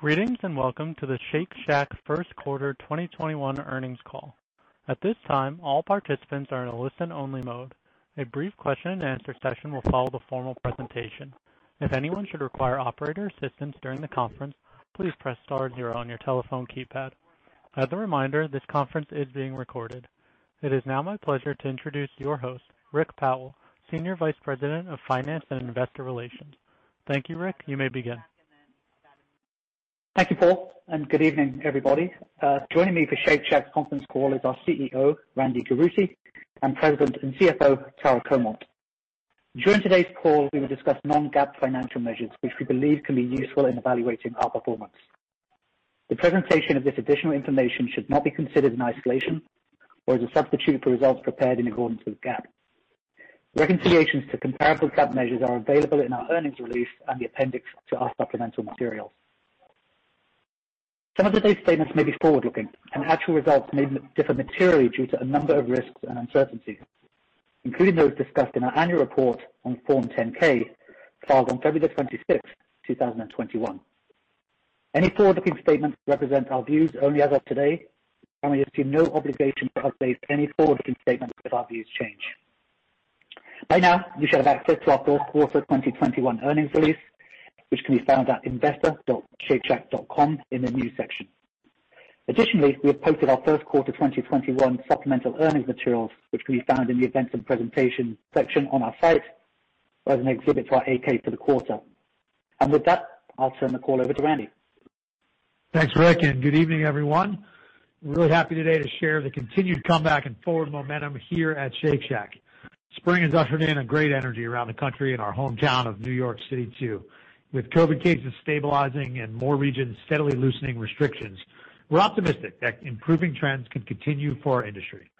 Greetings, welcome to the Shake Shack first quarter 2021 earnings call. At this time, all participants are in a listen-only mode. A brief question and answer session will follow the formal presentation. If anyone should require operator assistance during the conference, please press star zero on your telephone keypad. As a reminder, this conference is being recorded. It is now my pleasure to introduce your host, Rik Powell, Senior Vice President of Finance and Investor Relations. Thank you, Rik. You may begin. Thank you, Paul. Good evening, everybody. Joining me for Shake Shack conference call is our CEO, Randy Garutti, and President and CFO, Tara Comonte. During today's call, we will discuss non-GAAP financial measures, which we believe can be useful in evaluating our performance. The presentation of this additional information should not be considered in isolation or as a substitute for results prepared in accordance with GAAP. Reconciliations to comparable GAAP measures are available in our earnings release and the appendix to our supplemental materials. Some of today's statements may be forward-looking, and actual results may differ materially due to a number of risks and uncertainties, including those discussed in our annual report on Form 10-K filed on February 26, 2021. Any forward-looking statements represent our views only as of today, and we assume no obligation to update any forward-looking statements if our views change. By now, you should have access to our fourth quarter 2021 earnings release, which can be found at investor.shakeshack.com in the news section. Additionally, we have posted our first quarter 2021 supplemental earnings materials, which can be found in the events and presentations section on our site as an exhibit to our 8-K for the quarter. With that, I'll turn the call over to Randy. Thanks, Rik, good evening, everyone. Really happy today to share the continued comeback and forward momentum here at Shake Shack. Spring has ushered in a great energy around the country and our hometown of New York City too. With COVID cases stabilizing and more regions steadily loosening restrictions, we're optimistic that improving trends can continue for our industry.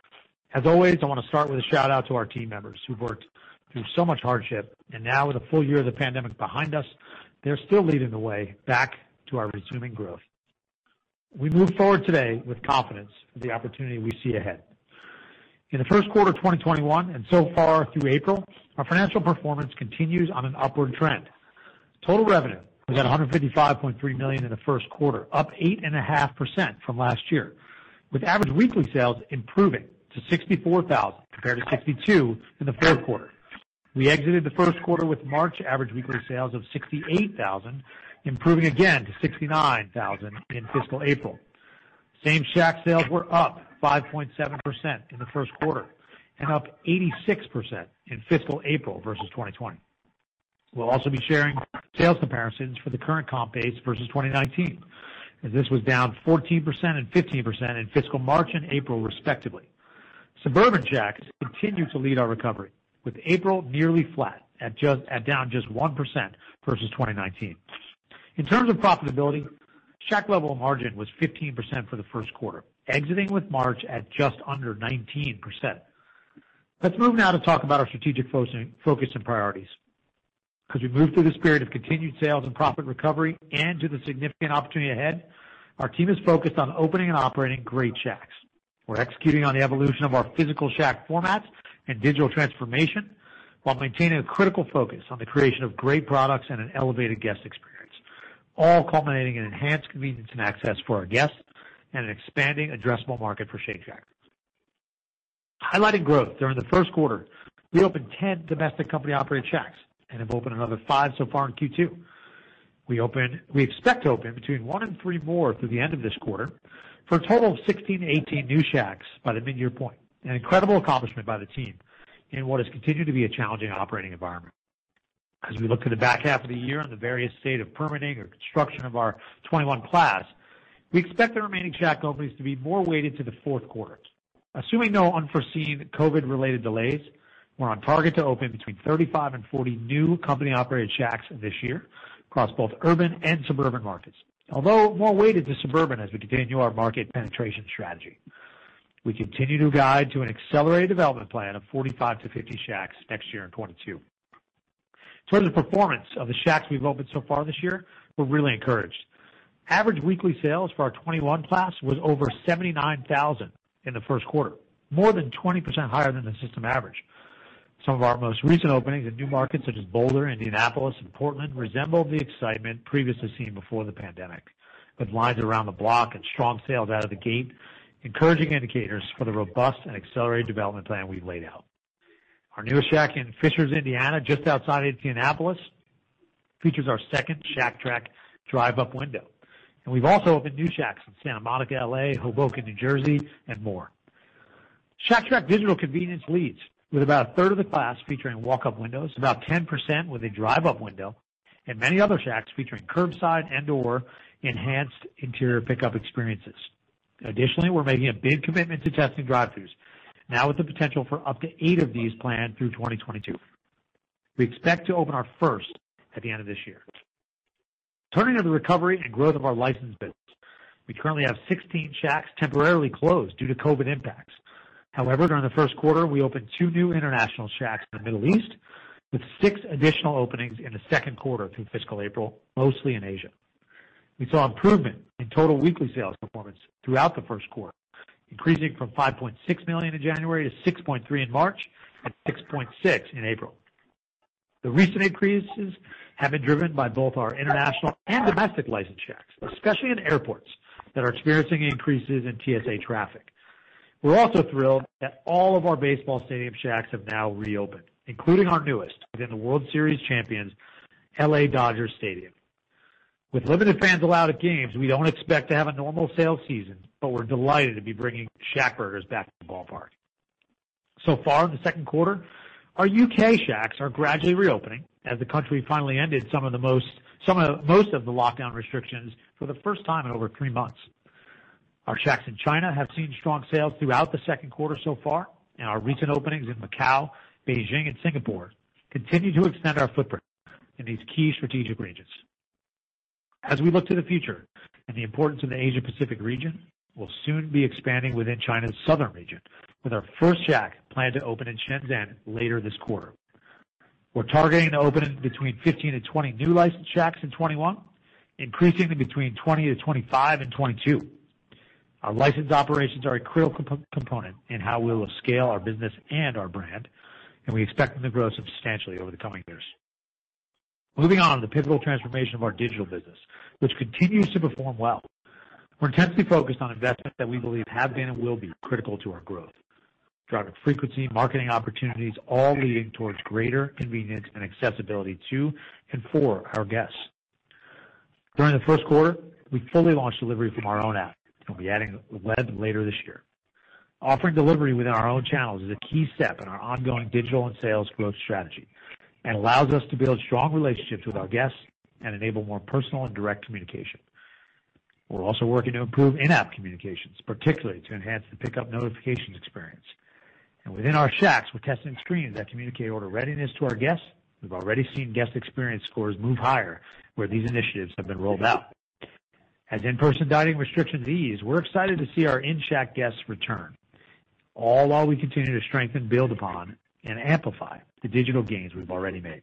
As always, I want to start with a shout-out to our team members who've worked through so much hardship, and now with a full-year of the pandemic behind us, they're still leading the way back to our resuming growth. We move forward today with confidence for the opportunity we see ahead. In the first quarter of 2021 and so far through April, our financial performance continues on an upward trend. Total revenue was at $155.3 million in the first quarter, up 8.5% from last year, with average weekly sales improving to $64,000 compared to $62,000 in the fourth quarter. We exited the first quarter with March average weekly sales of $68,000, improving again to $69,000 in fiscal April. Same-Shack sales were up 5.7% in the first quarter and up 86% in fiscal April versus 2020. We'll also be sharing sales comparisons for the current comp base versus 2019, as this was down 14% and 15% in fiscal March and April, respectively. Suburban Shacks continue to lead our recovery, with April nearly flat at down just 1% versus 2019. In terms of profitability, Shack-level margin was 15% for the first quarter, exiting with March at just under 19%. Let's move now to talk about our strategic focus and priorities. As we move through this period of continued sales and profit recovery and to the significant opportunity ahead, our team is focused on opening and operating great Shacks. We're executing on the evolution of our physical Shack formats and digital transformation while maintaining a critical focus on the creation of great products and an elevated guest experience, all culminating in enhanced convenience and access for our guests and an expanding addressable market for Shake Shack. Highlighting growth during the first quarter, we opened 10 domestic company-operated Shacks and have opened another five so far in Q2. We expect to open between one and three more through the end of this quarter for a total of 16-18 new Shacks by the midyear point, an incredible accomplishment by the team in what has continued to be a challenging operating environment. As we look to the back half of the year and the various state of permitting or construction of our 2021 class, we expect the remaining Shack openings to be more weighted to the fourth quarter. Assuming no unforeseen COVID related delays, we're on target to open between 35-40 new company-operated Shacks this year across both urban and suburban markets. Although more weighted to suburban as we continue our market penetration strategy. We continue to guide to an accelerated development plan of 45-50 Shacks next year in 2022. In terms of performance of the Shacks we've opened so far this year, we're really encouraged. Average weekly sales for our 2021 class was over $79,000 in the first quarter, more than 20% higher than the system average. Some of our most recent openings in new markets such as Boulder, Indianapolis, and Portland resembled the excitement previously seen before the pandemic, with lines around the block and strong sales out of the gate, encouraging indicators for the robust and accelerated development plan we've laid out. Our newest Shack in Fishers, Indiana, just outside Indianapolis, features our second Shack Track drive-up window. We've also opened new Shacks in Santa Monica, L.A., Hoboken, New Jersey, and more. Shack Track digital convenience leads, with about a third of the class featuring walk-up windows, about 10% with a drive-up window, and many other Shacks featuring curbside and/or enhanced interior pickup experiences. Additionally, we're making a big commitment to testing drive-throughs, now with the potential for up to eight of these planned through 2022. We expect to open our first at the end of this year. Turning to the recovery and growth of our licensed business. We currently have 16 Shacks temporarily closed due to COVID impacts. During the first quarter, we opened two new international Shacks in the Middle East with six additional openings in the second quarter through fiscal April, mostly in Asia. We saw improvement in total weekly sales performance throughout the first quarter, increasing from $5.6 million in January to $6.3 million in March, and $6.6 million in April. The recent increases have been driven by both our international and domestic licensed Shacks, especially in airports that are experiencing increases in TSA traffic. We're also thrilled that all of our baseball stadium Shacks have now reopened, including our newest within the World Series champions, L.A. Dodgers Stadium. With limited fans allowed at games, we don't expect to have a normal sales season, but we're delighted to be bringing ShackBurgers back to the ballpark. Far in the second quarter, our U.K. Shacks are gradually reopening as the country finally ended some of the most of the lockdown restrictions for the first time in over three months. Our Shacks in China have seen strong sales throughout the second quarter so far, and our recent openings in Macau, Beijing, and Singapore continue to extend our footprint in these key strategic regions. As we look to the future and the importance of the Asia-Pacific region, we'll soon be expanding within China's southern region with our first Shack planned to open in Shenzhen later this quarter. We're targeting to open between 15 and 20 new licensed Shacks in 2021, increasing to between 20-25 in 2022. Our licensed operations are a critical component in how we will scale our business and our brand, and we expect them to grow substantially over the coming years. Moving on to the pivotal transformation of our digital business, which continues to perform well. We're intensely focused on investments that we believe have been and will be critical to our growth. Driving frequency, marketing opportunities, all leading towards greater convenience and accessibility to, and for our guests. During the first quarter, we fully launched delivery from our own app and will be adding Uber Eats later this year. Offering delivery within our own channels is a key step in our ongoing digital and sales growth strategy, and allows us to build strong relationships with our guests and enable more personal and direct communication. We're also working to improve in-app communications, particularly to enhance the pickup notification experience. Within our Shacks, we're testing screens that communicate order readiness to our guests. We've already seen guest experience scores move higher where these initiatives have been rolled out. As in-person dining restrictions ease, we're excited to see our in-Shack guests return, all while we continue to strengthen, build upon, and amplify the digital gains we've already made.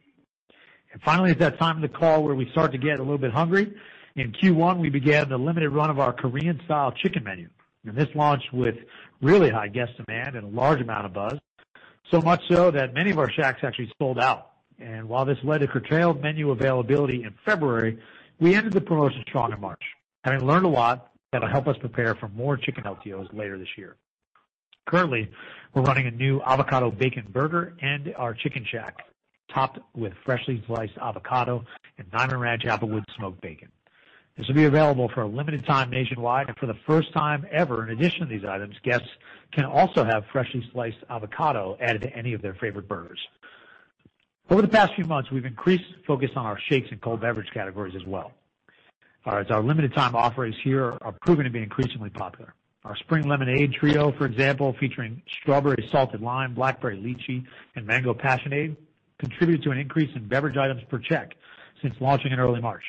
Finally, it's that time in the call where we start to get a little bit hungry. In Q1, we began the limited run of our Korean-style chicken menu. This launched with really high guest demand and a large amount of buzz. So much so that many of our Shacks actually sold out. While this led to curtailed menu availability in February, we ended the promotion strong in March, having learned a lot that'll help us prepare for more chicken LTOs later this year. Currently, we're running a new avocado bacon burger and our Chick'n Shack, topped with freshly sliced avocado and Niman Ranch applewood smoked bacon. This will be available for a limited time nationwide. For the first time ever, in addition to these items, guests can also have freshly sliced avocado added to any of their favorite burgers. Over the past few months, we've increased focus on our shakes and cold beverage categories as well. As our limited time offerings here are proving to be increasingly popular. Our spring Lemonade Trio, for example, featuring Strawberry Salted Lime, Blackberry Lychee, and Mango Passionade, contributed to an increase in beverage items per check since launching in early March.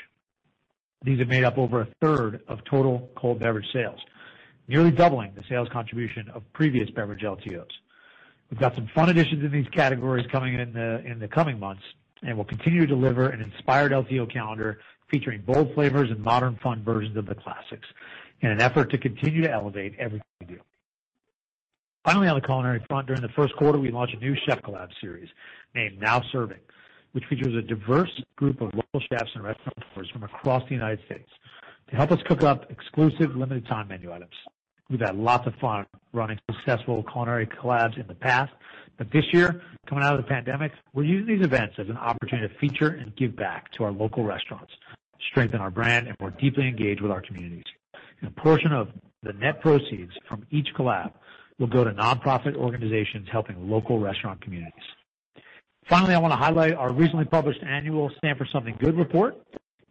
These have made up over a third of total cold beverage sales, nearly doubling the sales contribution of previous beverage LTOs. We've got some fun additions in these categories coming in the coming months, and we'll continue to deliver an inspired LTO calendar featuring bold flavors and modern fun versions of the classics in an effort to continue to elevate everything we do. Finally, on the culinary front, during the first quarter, we launched a new chef collab series named Now Serving, which features a diverse group of local chefs and restaurateurs from across the United States to help us cook up exclusive limited time menu items. We've had lots of fun running successful culinary collabs in the past. This year, coming out of the pandemic, we're using these events as an opportunity to feature and give back to our local restaurants, strengthen our brand, and more deeply engage with our communities. A portion of the net proceeds from each collab will go to nonprofit organizations helping local restaurant communities. Finally, I want to highlight our recently published annual Stand for Something Good report,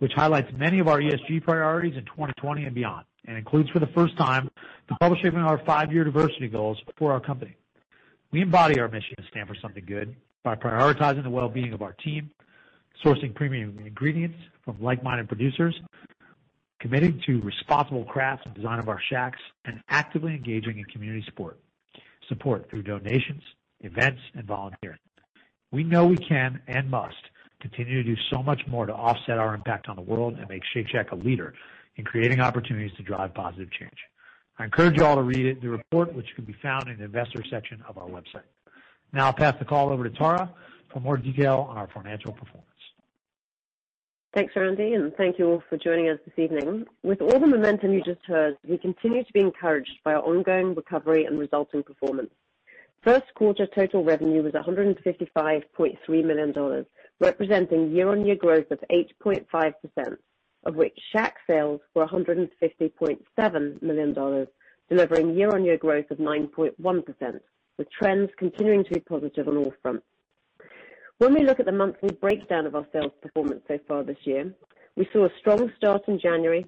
which highlights many of our ESG priorities in 2020 and beyond. Includes for the first time, the publishing of our five-year diversity goals for our company. We embody our mission to Stand for Something Good by prioritizing the well-being of our team, sourcing premium ingredients from like-minded producers, committing to responsible crafts and design of our Shacks, and actively engaging in community support through donations, events, and volunteering. We know we can and must continue to do so much more to offset our impact on the world and make Shake Shack a leader in creating opportunities to drive positive change. I encourage you all to read the report, which can be found in the investor section of our website. Now I'll pass the call over to Tara for more detail on our financial performance. Thanks, Randy, and thank you all for joining us this evening. With all the momentum you just heard, we continue to be encouraged by our ongoing recovery and resulting performance. First quarter total revenue was $155.3 million, representing year-on-year growth of 8.5%, of which Shack sales were $150.7 million, delivering year-on-year growth of 9.1%, with trends continuing to be positive on all fronts. When we look at the monthly breakdown of our sales performance so far this year, we saw a strong start in January.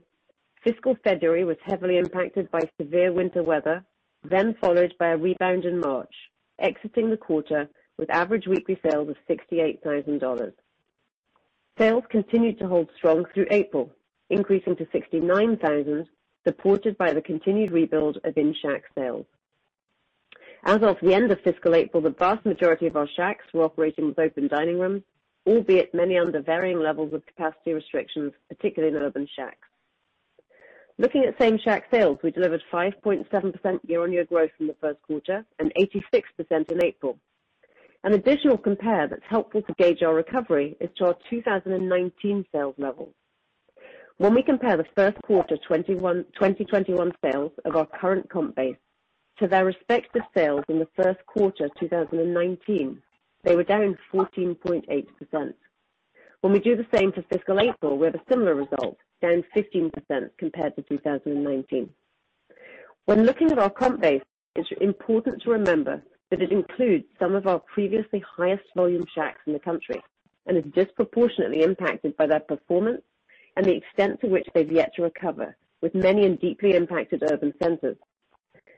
Fiscal February was heavily impacted by severe winter weather, then followed by a rebound in March, exiting the quarter with average weekly sales of $68,000. Sales continued to hold strong through April, increasing to $69,000, supported by the continued rebuild of in-Shack sales. As of the end of fiscal April, the vast majority of our Shacks were operating with open dining rooms, albeit many under varying levels of capacity restrictions, particularly in urban Shacks. Looking at same-Shack sales, we delivered 5.7% year-on-year growth in the first quarter and 86% in April. An additional compare that's helpful to gauge our recovery is to our 2019 sales levels. When we compare the first quarter 2021 sales of our current comp base to their respective sales in the first quarter 2019, they were down 14.8%. When we do the same for fiscal April, we have a similar result, down 15% compared to 2019. When looking at our comp base, it's important to remember that it includes some of our previously highest volume Shacks in the country and is disproportionately impacted by their performance and the extent to which they've yet to recover, with many in deeply impacted urban centers.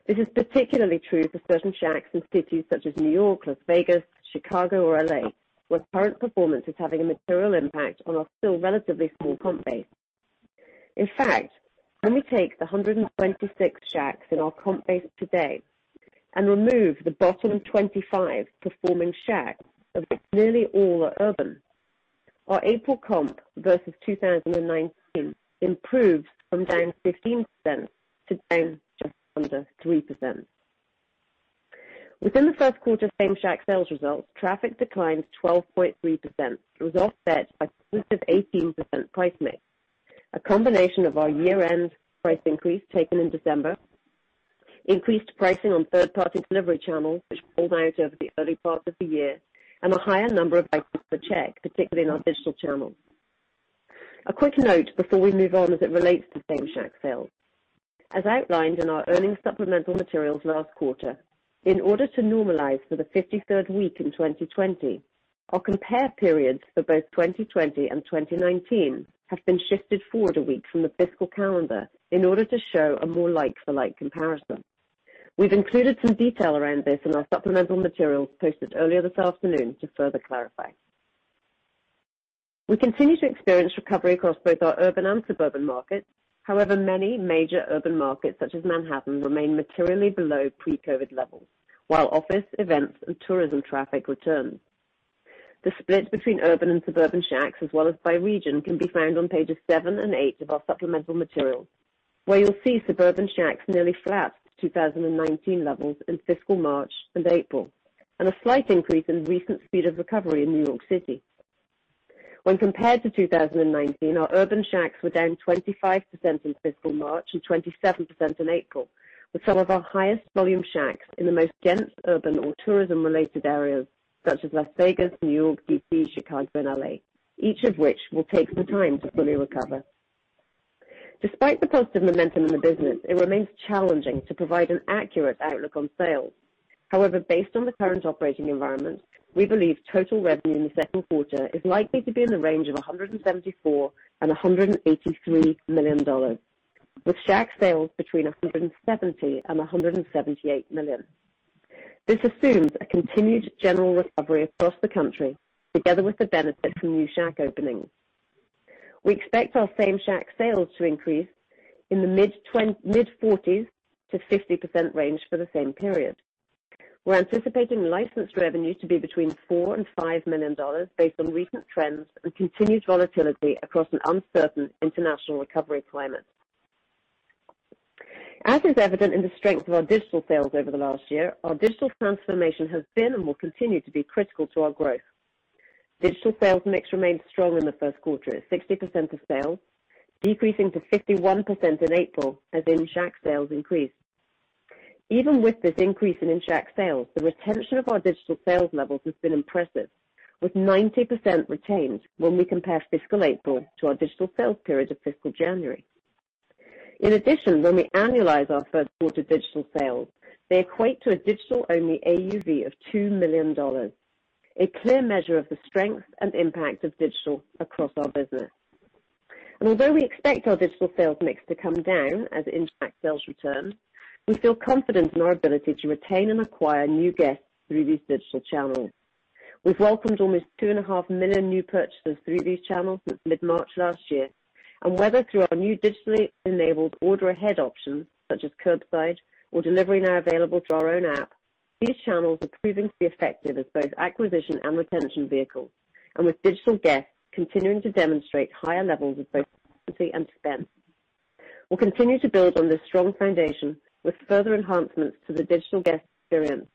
This is particularly true for certain Shacks in cities such as New York, Las Vegas, Chicago, or L.A., where current performance is having a material impact on our still relatively small comp base. In fact, when we take the 126 Shacks in our comp base today and remove the bottom 25 performing Shacks, of which nearly all are urban, our April comp versus 2019 improved from down 15% to down just under 3%. Within the first quarter same-Shack sales results, traffic declined 12.3%, but was offset by positive 18% price mix. A combination of our year-end price increase taken in December, increased pricing on third-party delivery channels, which rolled out over the early part of the year, and a higher number of items per check, particularly in our digital channels. A quick note before we move on as it relates to same-Shack sales. As outlined in our earnings supplemental materials last quarter, in order to normalize for the 53rd week in 2020, our compare periods for both 2020 and 2019 have been shifted forward a week from the fiscal calendar in order to show a more like-for-like comparison. We've included some detail around this in our supplemental materials posted earlier this afternoon to further clarify. We continue to experience recovery across both our urban and suburban markets. However, many major urban markets, such as Manhattan, remain materially below pre-COVID levels, while office, events, and tourism traffic return. The split between urban and suburban Shacks, as well as by region, can be found on pages seven and eight of our supplemental materials, where you'll see suburban Shacks nearly flat to 2019 levels in fiscal March and April, and a slight increase in recent speed of recovery in New York City. When compared to 2019, our urban Shacks were down 25% in fiscal March and 27% in April, with some of our highest volume Shacks in the most dense urban or tourism-related areas such as Las Vegas, New York, D.C., Chicago, and L.A., each of which will take some time to fully recover. Despite the positive momentum in the business, it remains challenging to provide an accurate outlook on sales. Based on the current operating environment, we believe total revenue in the second quarter is likely to be in the range of $174 million-$183 million, with Shack sales between $170 million and $178 million. This assumes a continued general recovery across the country, together with the benefit from new Shack openings. We expect our same-Shack sales to increase in the mid-40s to 50% range for the same period. We're anticipating license revenue to be between $4 million and $5 million based on recent trends and continued volatility across an uncertain international recovery climate. As is evident in the strength of our digital sales over the last year, our digital transformation has been and will continue to be critical to our growth. Digital sales mix remained strong in the first quarter at 60% of sales, decreasing to 51% in April as in-Shack sales increased. Even with this increase in in-Shack sales, the retention of our digital sales levels has been impressive, with 90% retained when we compare fiscal April to our digital sales period of fiscal January. In addition, when we annualize our first quarter digital sales, they equate to a digital-only AUV of $2 million, a clear measure of the strength and impact of digital across our business. Although we expect our digital sales mix to come down as in-Shack sales return, we feel confident in our ability to retain and acquire new guests through these digital channels. We've welcomed almost 2.5 million new purchasers through these channels since mid-March last year, and whether through our new digitally enabled order ahead options such as curbside or delivery now available through our own app, these channels are proving to be effective as both acquisition and retention vehicles, and with digital guests continuing to demonstrate higher levels of both frequency and spend. We'll continue to build on this strong foundation with further enhancements to the digital guest experience,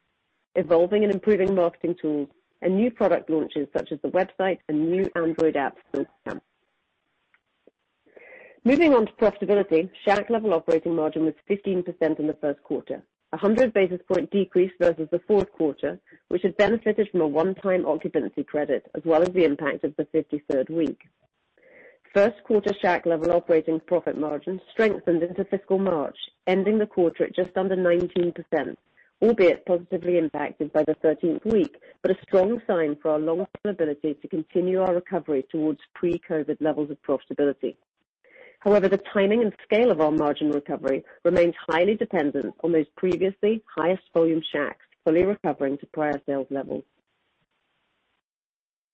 evolving and improving marketing tools, and new product launches such as the website and new Android app forthcoming. Moving on to profitability, Shack level operating margin was 15% in the first quarter, a 100-basis point decrease versus the fourth quarter, which had benefited from a one-time occupancy credit as well as the impact of the 53rd week. First quarter Shack-level operating profit margin strengthened into fiscal March, ending the quarter at just under 19%, albeit positively impacted by the 13th week, but a strong sign for our long-term ability to continue our recovery towards pre-COVID levels of profitability. However, the timing and scale of our margin recovery remains highly dependent on those previously highest volume Shacks fully recovering to prior sales levels.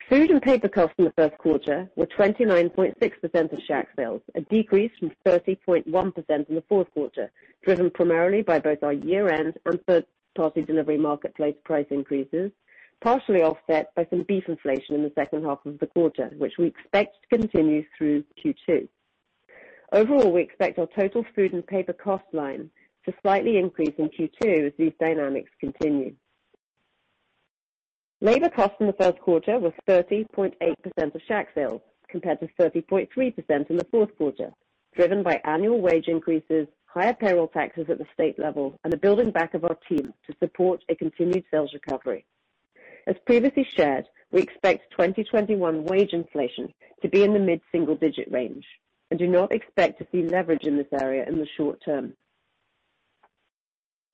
Food and paper costs in the first quarter were 29.6% of Shack sales, a decrease from 30.1% in the fourth quarter, driven primarily by both our year-end and third-party delivery marketplace price increases, partially offset by some beef inflation in the second half of the quarter, which we expect to continue through Q2. Overall, we expect our total food and paper cost line to slightly increase in Q2 as these dynamics continue. Labor costs in the first quarter were 30.8% of Shack sales, compared to 30.3% in the fourth quarter, driven by annual wage increases, higher payroll taxes at the state level, and the building back of our team to support a continued sales recovery. As previously shared, we expect 2021 wage inflation to be in the mid-single digit range and do not expect to see leverage in this area in the short term.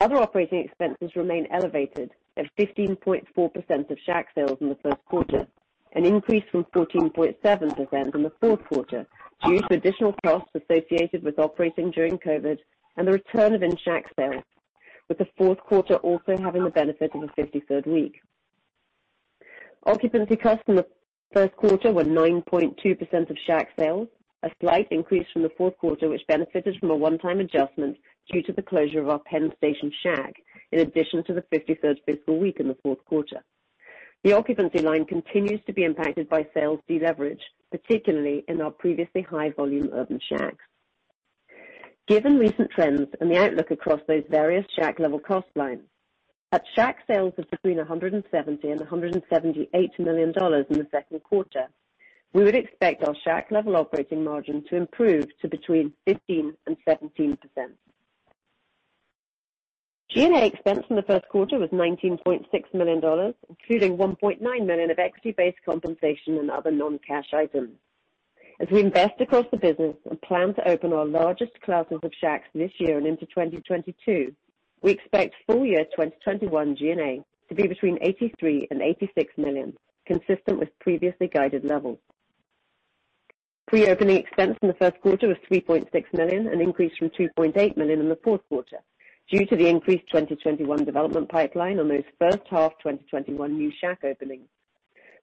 Other operating expenses remain elevated at 15.4% of Shack sales in the first quarter, an increase from 14.7% in the fourth quarter, due to additional costs associated with operating during COVID and the return of in-Shack sales, with the fourth quarter also having the benefit of a 53rd week. Occupancy costs in the first quarter were 9.2% of Shack sales, a slight increase from the fourth quarter, which benefited from a one-time adjustment due to the closure of our Penn Station Shack, in addition to the 53rd fiscal week in the fourth quarter. The occupancy line continues to be impacted by sales deleverage, particularly in our previously high volume urban Shacks. Given recent trends and the outlook across those various Shack-level cost lines, at Shack sales of between $170 million and $178 million in the second quarter, we would expect our Shack-level operating margin to improve to between 15% and 17%. G&A expense in the first quarter was $19.6 million, including $1.9 million of equity-based compensation and other non-cash items. As we invest across the business and plan to open our largest classes of Shacks this year and into 2022, we expect full-year 2021 G&A to be between $83 million and $86 million, consistent with previously guided levels. Pre-opening expense in the first quarter was $3.6 million, an increase from $2.8 million in the fourth quarter, due to the increased 2021 development pipeline on those first half 2021 new Shack openings.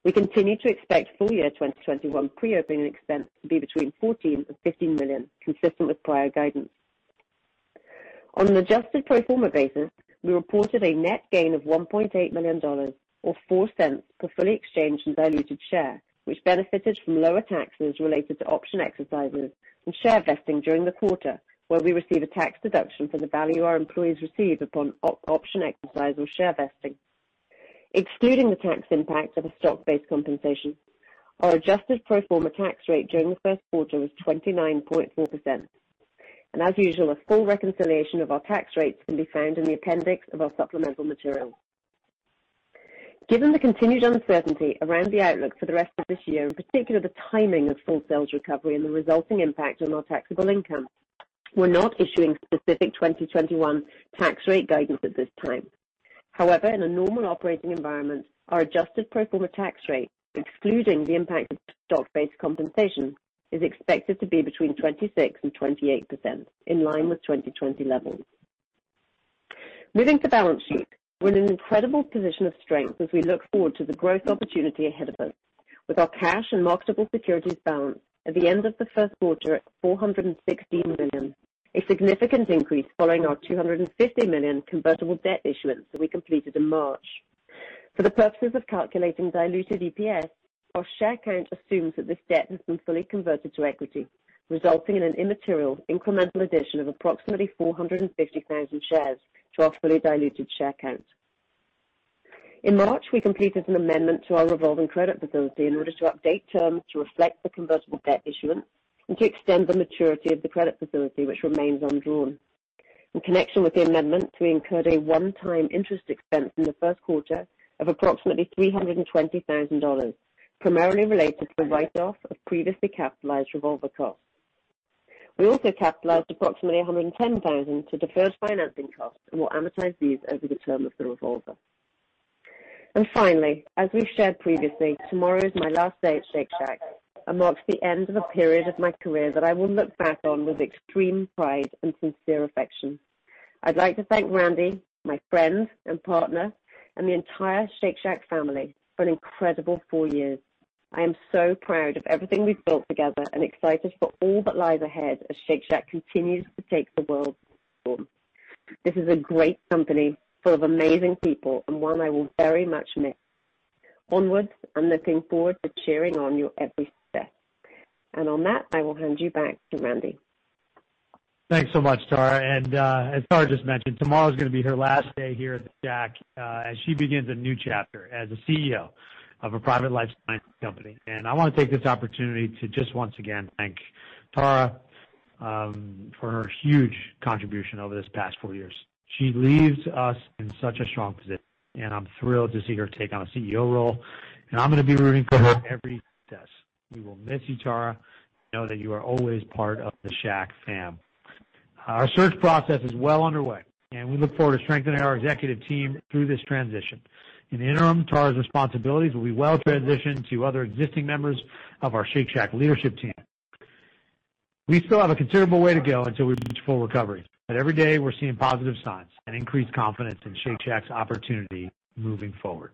We continue to expect full-year 2021 pre-opening expense to be between $14 million and $15 million, consistent with prior guidance. On an adjusted pro forma basis, we reported a net gain of $1.8 million, or $0.04 per fully exchanged and diluted share, which benefited from lower taxes related to option exercises and share vesting during the quarter where we receive a tax deduction for the value our employees receive upon option exercise or share vesting. Excluding the tax impact of a stock-based compensation, our adjusted pro forma tax rate during the first quarter was 29.4%. As usual, a full reconciliation of our tax rates can be found in the appendix of our supplemental material. Given the continued uncertainty around the outlook for the rest of this year, in particular, the timing of full sales recovery and the resulting impact on our taxable income, we're not issuing specific 2021 tax rate guidance at this time. In a normal operating environment, our adjusted pro forma tax rate, excluding the impact of stock-based compensation, is expected to be between 26% and 28%, in line with 2020 levels. Moving to balance sheet, we're in an incredible position of strength as we look forward to the growth opportunity ahead of us with our cash and marketable securities balance at the end of the first quarter at $416 million, a significant increase following our $250 million convertible debt issuance that we completed in March. For the purposes of calculating diluted EPS, our share count assumes that this debt has been fully converted to equity, resulting in an immaterial incremental addition of approximately 450,000 shares to our fully diluted share count. In March, we completed an amendment to our revolving credit facility in order to update terms to reflect the convertible debt issuance and to extend the maturity of the credit facility, which remains undrawn. In connection with the amendment, we incurred a one-time interest expense in the first quarter of approximately $320,000, primarily related to the write-off of previously capitalized revolver costs. We also capitalized approximately $110,000 to deferred financing costs and will amortize these over the term of the revolver. Finally, as we've shared previously, tomorrow is my last day at Shake Shack and marks the end of a period of my career that I will look back on with extreme pride and sincere affection. I'd like to thank Randy, my friend and partner, and the entire Shake Shack family for an incredible four years. I am so proud of everything we've built together and excited for all that lies ahead as Shake Shack continues to take the world by storm. This is a great company full of amazing people and one I will very much miss. Onwards, I'm looking forward to cheering on your every step. On that, I will hand you back to Randy. Thanks so much, Tara. As Tara just mentioned, tomorrow is going to be her last day here at the Shack, as she begins a new chapter as a CEO of a private life science company. I want to take this opportunity to just once again thank Tara for her huge contribution over these past four years. She leaves us in such a strong position, and I'm thrilled to see her take on a CEO role, and I'm going to be rooting for her every success. We will miss you, Tara. Know that you are always part of the Shack fam. Our search process is well underway, and we look forward to strengthening our executive team through this transition. In the interim, Tara's responsibilities will be well transitioned to other existing members of our Shake Shack leadership team. Every day, we're seeing positive signs and increased confidence in Shake Shack's opportunity moving forward.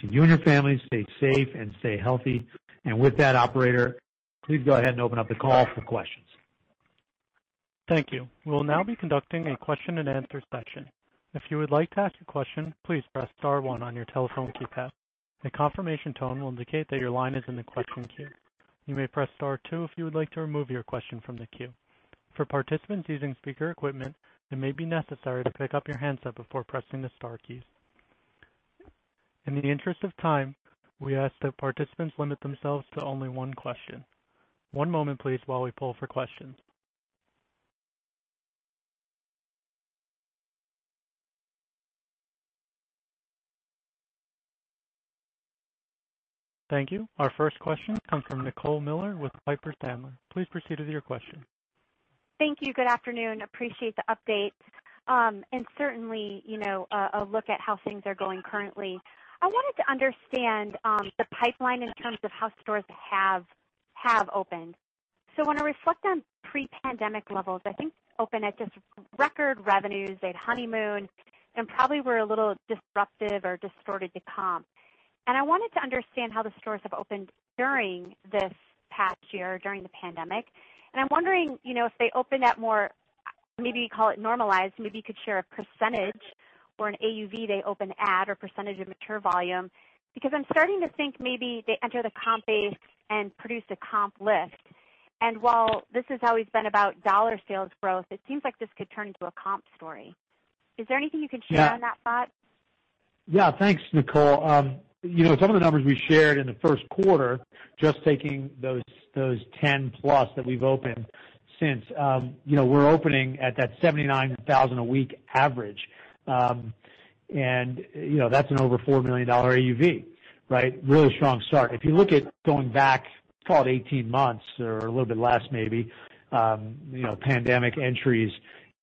To you and your families, stay safe and stay healthy. With that, operator, please go ahead and open up the call for questions. Thank you. We'll now be conducting a question and answer session. If you would like to ask a question, please press star one on your telephone keypad. A confirmation tone will indicate that your line is in the question queue. You may press star two if you would like to remove your question from the queue. For participants using speaker equipment, it may be necessary to pick up your handset before pressing the star keys. In the interest of time, we ask that participants limit themselves to only one question. One moment, please, while we poll for questions. Thank you. Our first question comes from Nicole Miller with Piper Sandler. Please proceed with your question. Thank you. Good afternoon. Appreciate the update. Certainly, a look at how things are going currently. I wanted to understand the pipeline in terms of how stores have opened. When I reflect on pre-pandemic levels, I think open at just record revenues at honeymoon and probably were a little disruptive or distorted to comp. I wanted to understand how the stores have opened during this past year, during the pandemic. I'm wondering if they open at more, maybe call it normalized, maybe you could share a percentage or an AUV they open at or percentage of mature volume, because I'm starting to think maybe they enter the comp base and produce a comp lift. While this has always been about dollar sales growth, it seems like this could turn into a comp story. Is there anything you can share on that thought? Yeah. Thanks, Nicole. Some of the numbers we shared in the first quarter, just taking those 10+ that we've opened since, we're opening at that 79,000 a week average. That's an over $4 million AUV, right? Really strong start. If you look at going back, call it 18 months or a little bit less maybe, pandemic entries,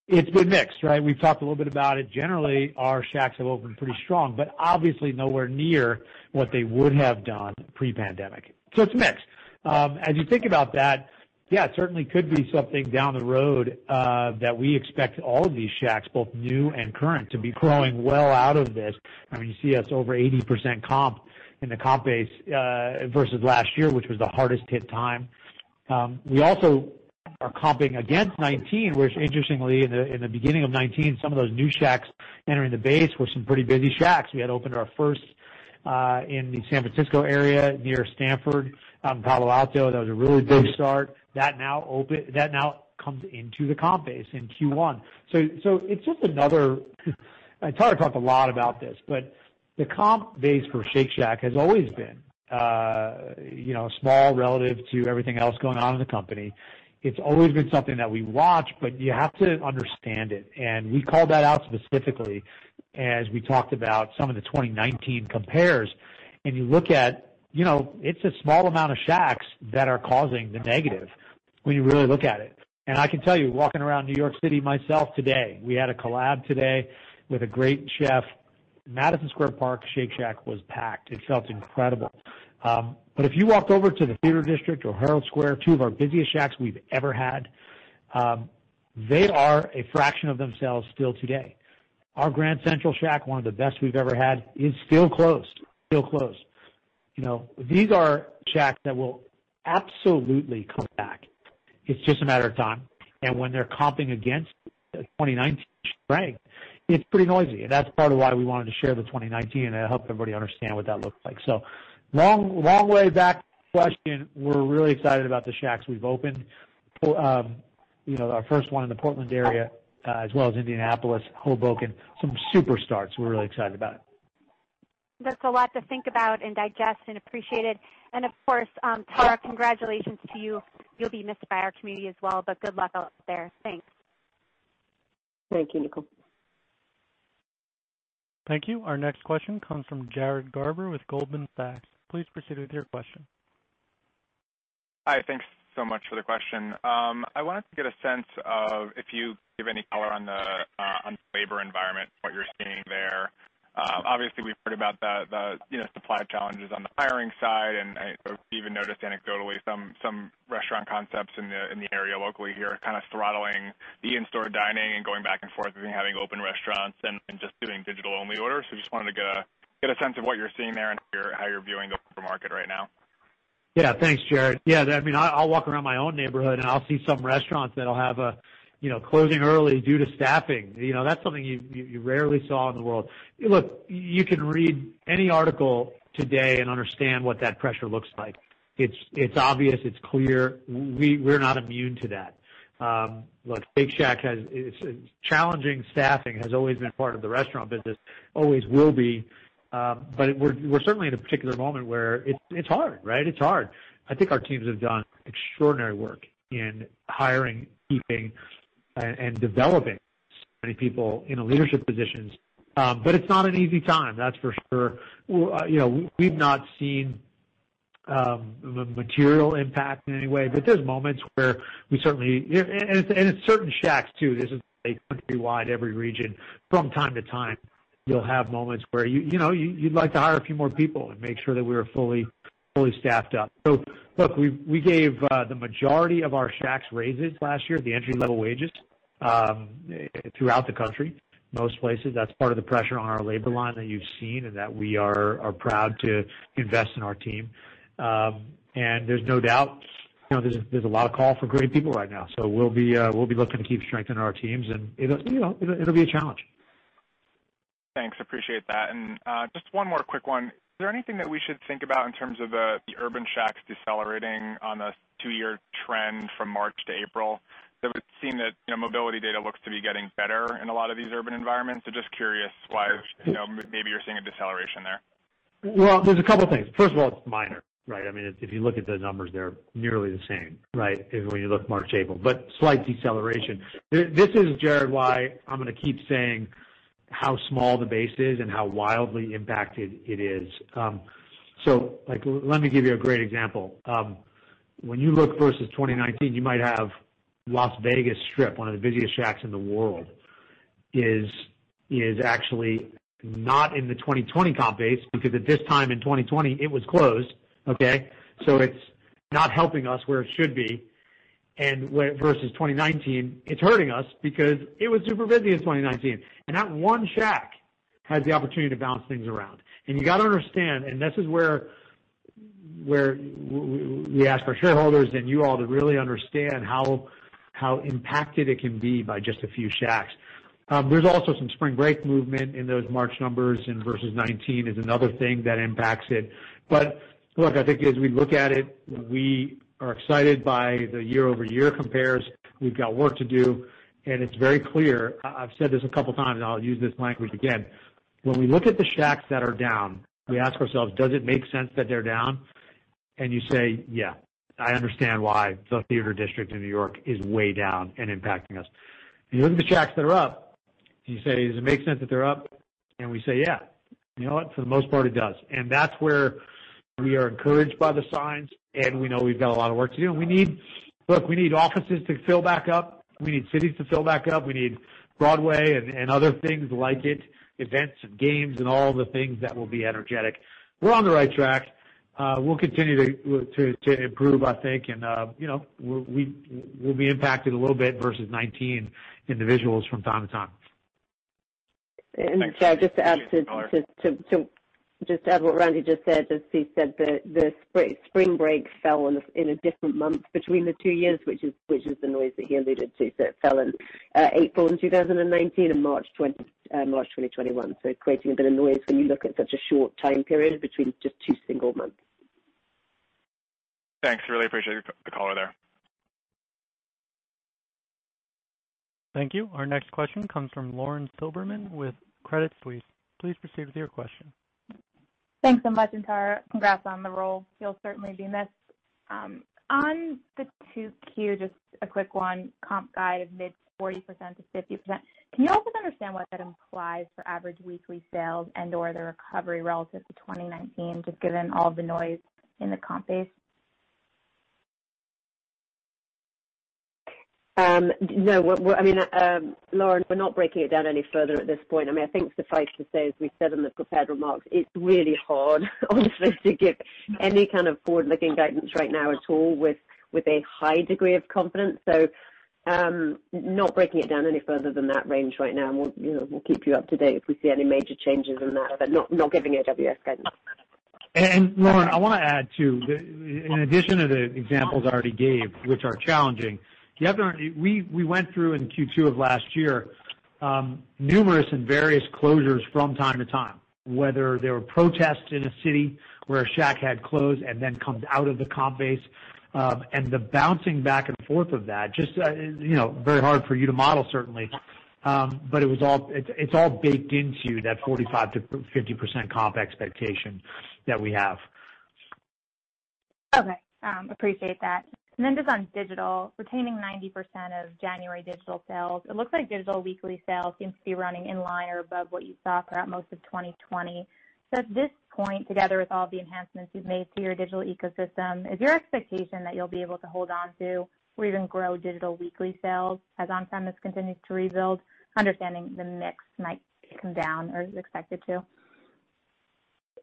it's been mixed, right? We've talked a little bit about it. Generally, our Shacks have opened pretty strong, but obviously nowhere near what they would have done pre-pandemic. It's mixed. As you think about that, yeah, it certainly could be something down the road that we expect all of these Shacks, both new and current, to be growing well out of this. You see us over 80% comp in the comp base versus last year, which was the hardest hit time. We also are comping against 2019, which interestingly, in the beginning of 2019, some of those new Shacks entering the base were some pretty busy Shacks. We had opened our first in the San Francisco area near Stanford, Palo Alto. That was a really big start. That now comes into the comp base in Q1. It's just another. Tara talked a lot about this, but the comp base for Shake Shack has always been small relative to everything else going on in the company. It's always been something that we watch, but you have to understand it. We called that out specifically as we talked about some of the 2019 compares. You look at, it's a small amount of Shacks that are causing the negative when you really look at it. I can tell you, walking around New York City myself today, we had a collab today with a great chef. Madison Square Park Shake Shack was packed. It felt incredible. If you walk over to the Theater District or Herald Square, two of our busiest Shacks we've ever had, they are a fraction of themselves still today. Our Grand Central Shack, one of the best we've ever had, is still closed. These are Shacks that will absolutely come back. It's just a matter of time. When they're comping against the 2019 strength, it's pretty noisy. That's part of why we wanted to share the 2019 and help everybody understand what that looks like. Long way back to the question. We're really excited about the Shacks we've opened. Our first one in the Portland area, as well as Indianapolis, Hoboken. Some super starts. We're really excited about it. There's a lot to think about and digest and appreciate it. Of course, Tara, congratulations to you. You'll be missed by our community as well, good luck out there. Thanks. Thank you, Nicole. Thank you. Our next question comes from Jared Garber with Goldman Sachs. Please proceed with your question. Hi. Thanks so much for the question. I wanted to get a sense of if you give any color on the labor environment, what you're seeing there. Obviously, we've heard about the supply challenges on the hiring side, and I even noticed anecdotally some restaurant concepts in the area locally here are kind of throttling the in-store dining and going back and forth between having open restaurants and just doing digital only orders. Just wanted to get a sense of what you're seeing there and how you're viewing the labor market right now. Yeah. Thanks, Jared. Yeah, I'll walk around my own neighborhood, and I'll see some restaurants that'll have a closing early due to staffing. That's something you rarely saw in the world. Look, you can read any article today and understand what that pressure looks like. It's obvious. It's clear. We're not immune to that. Look, challenging staffing has always been part of the restaurant business, always will be. We're certainly in a particular moment where it's hard, right? It's hard. I think our teams have done extraordinary work in hiring, keeping, and developing so many people in leadership positions. It's not an easy time, that's for sure. We've not seen material impact in any way, but there's moments where we certainly-- and it's certain Shacks, too. This isn't statewide, every region from time to time. You'll have moments where you'd like to hire a few more people and make sure that we are fully staffed up. Look, we gave the majority of our Shacks raises last year, the entry level wages throughout the country, most places. That's part of the pressure on our labor line that you've seen and that we are proud to invest in our team. There's no doubt, there's a lot of call for great people right now. We'll be looking to keep strengthening our teams, and it'll be a challenge. Thanks. Appreciate that. Just one more quick one. Is there anything that we should think about in terms of the urban Shacks decelerating on a two-year trend from March to April? It would seem that mobility data looks to be getting better in a lot of these urban environments. Just curious why maybe you're seeing a deceleration there. Well, there's a couple things. First of all, it's minor, right? I mean, if you look at the numbers, they're nearly the same, right, when you look March to April, slight deceleration. This is, Jared, why I'm going to keep saying how small the base is and how wildly impacted it is. Let me give you a great example. When you look versus 2019, you might have Las Vegas Strip, one of the busiest Shacks in the world, is actually not in the 2020 comp base because at this time in 2020 it was closed. Okay? It's not helping us where it should be and versus 2019, it's hurting us because it was super busy in 2019 and that one Shack has the opportunity to bounce things around. You got to understand, and this is where we ask our shareholders and you all to really understand how impacted it can be by just a few Shacks. There's also some spring break movement in those March numbers versus 2019 is another thing that impacts it. Look, I think as we look at it, we are excited by the year-over-year compares. We've got work to do and it's very clear. I've said this a couple times and I'll use this language again. When we look at the Shacks that are down, we ask ourselves, does it make sense that they're down? You say, yeah, I understand why the Theater District in New York is way down and impacting us. You look at the Shacks that are up and you say, does it make sense that they're up? We say, yeah, you know what? For the most part it does. That's where we are encouraged by the signs and we know we've got a lot of work to do. Look, we need offices to fill back up. We need cities to fill back up. We need Broadway and other things like it, events and games and all the things that will be energetic. We're on the right track. We'll continue to improve, I think, and we'll be impacted a little bit versus 2019 in the visuals from time to time. Thanks. And so just to add to- Thank you. Just to add what Randy just said, as he said, the spring break fell in a different month between the two years, which is the noise that he alluded to. It fell in April in 2019 and March 2021. Creating a bit of noise when you look at such a short time period between just two single months. Thanks. Really appreciate the color there. Thank you. Our next question comes from Lauren Silberman with Credit Suisse. Please proceed with your question. Thanks so much, Tara, congrats on the role. You'll certainly be missed. On the 2Q, just a quick one, comp guide of mid 40%-50%. Can you help us understand what that implies for average weekly sales and/or the recovery relative to 2019, just given all the noise in the comp base? No. I mean, Lauren, we're not breaking it down any further at this point. I mean, I think suffice to say, as we said in the prepared remarks, it's really hard honestly to give any kind of forward-looking guidance right now at all with a high degree of confidence. Not breaking it down any further than that range right now. We'll keep you up to date if we see any major changes in that, but not giving AWS guidance. Lauren, I want to add, too, in addition to the examples I already gave, which are challenging. The other, we went through in Q2 of last year, numerous and various closures from time to time, whether there were protests in a city where a Shack had closed and then comes out of the comp base, and the bouncing back and forth of that, just very hard for you to model, certainly. It's all baked into that 45%-50% comp expectation that we have. Okay. Appreciate that. Just on digital, retaining 90% of January digital sales. It looks like digital weekly sales seems to be running in line or above what you saw throughout most of 2020. At this point, together with all the enhancements you've made to your digital ecosystem, is your expectation that you'll be able to hold on to or even grow digital weekly sales as on premise continues to rebuild, understanding the mix might come down or is expected to?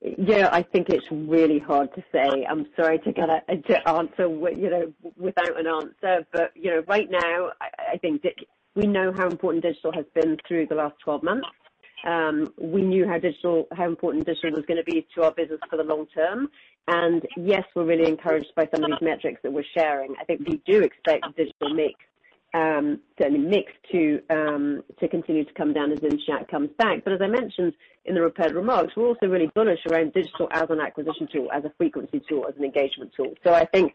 Yeah, I think it's really hard to say. I'm sorry to kind of answer without an answer, but right now I think we know how important digital has been through the last 12 months. We knew how important digital was going to be to our business for the long term. Yes, we're really encouraged by some of these metrics that we're sharing. I think we do expect digital mix to continue to come down as in Shack comes back. As I mentioned in the prepared remarks, we're also really bullish around digital as an acquisition tool, as a frequency tool, as an engagement tool. I think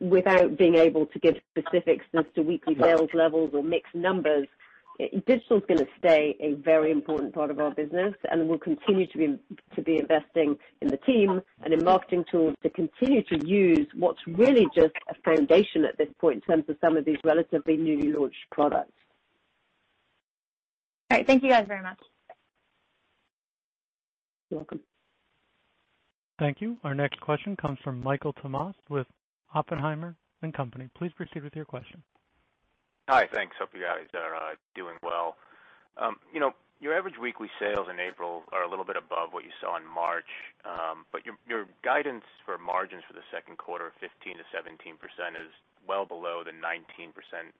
without being able to give specifics as to weekly sales levels or mix numbers, digital is going to stay a very important part of our business and we'll continue to be investing in the team and in marketing tools to continue to use what's really just a foundation at this point in terms of some of these relatively newly launched products. All right. Thank you guys very much. You're welcome. Thank you. Our next question comes from Michael Tamas with Oppenheimer & Company. Please proceed with your question. Hi. Thanks. Hope you guys are doing well. Your average weekly sales in April are a little bit above what you saw in March, but your guidance for margins for the second quarter of 15%-17% is well below the 19%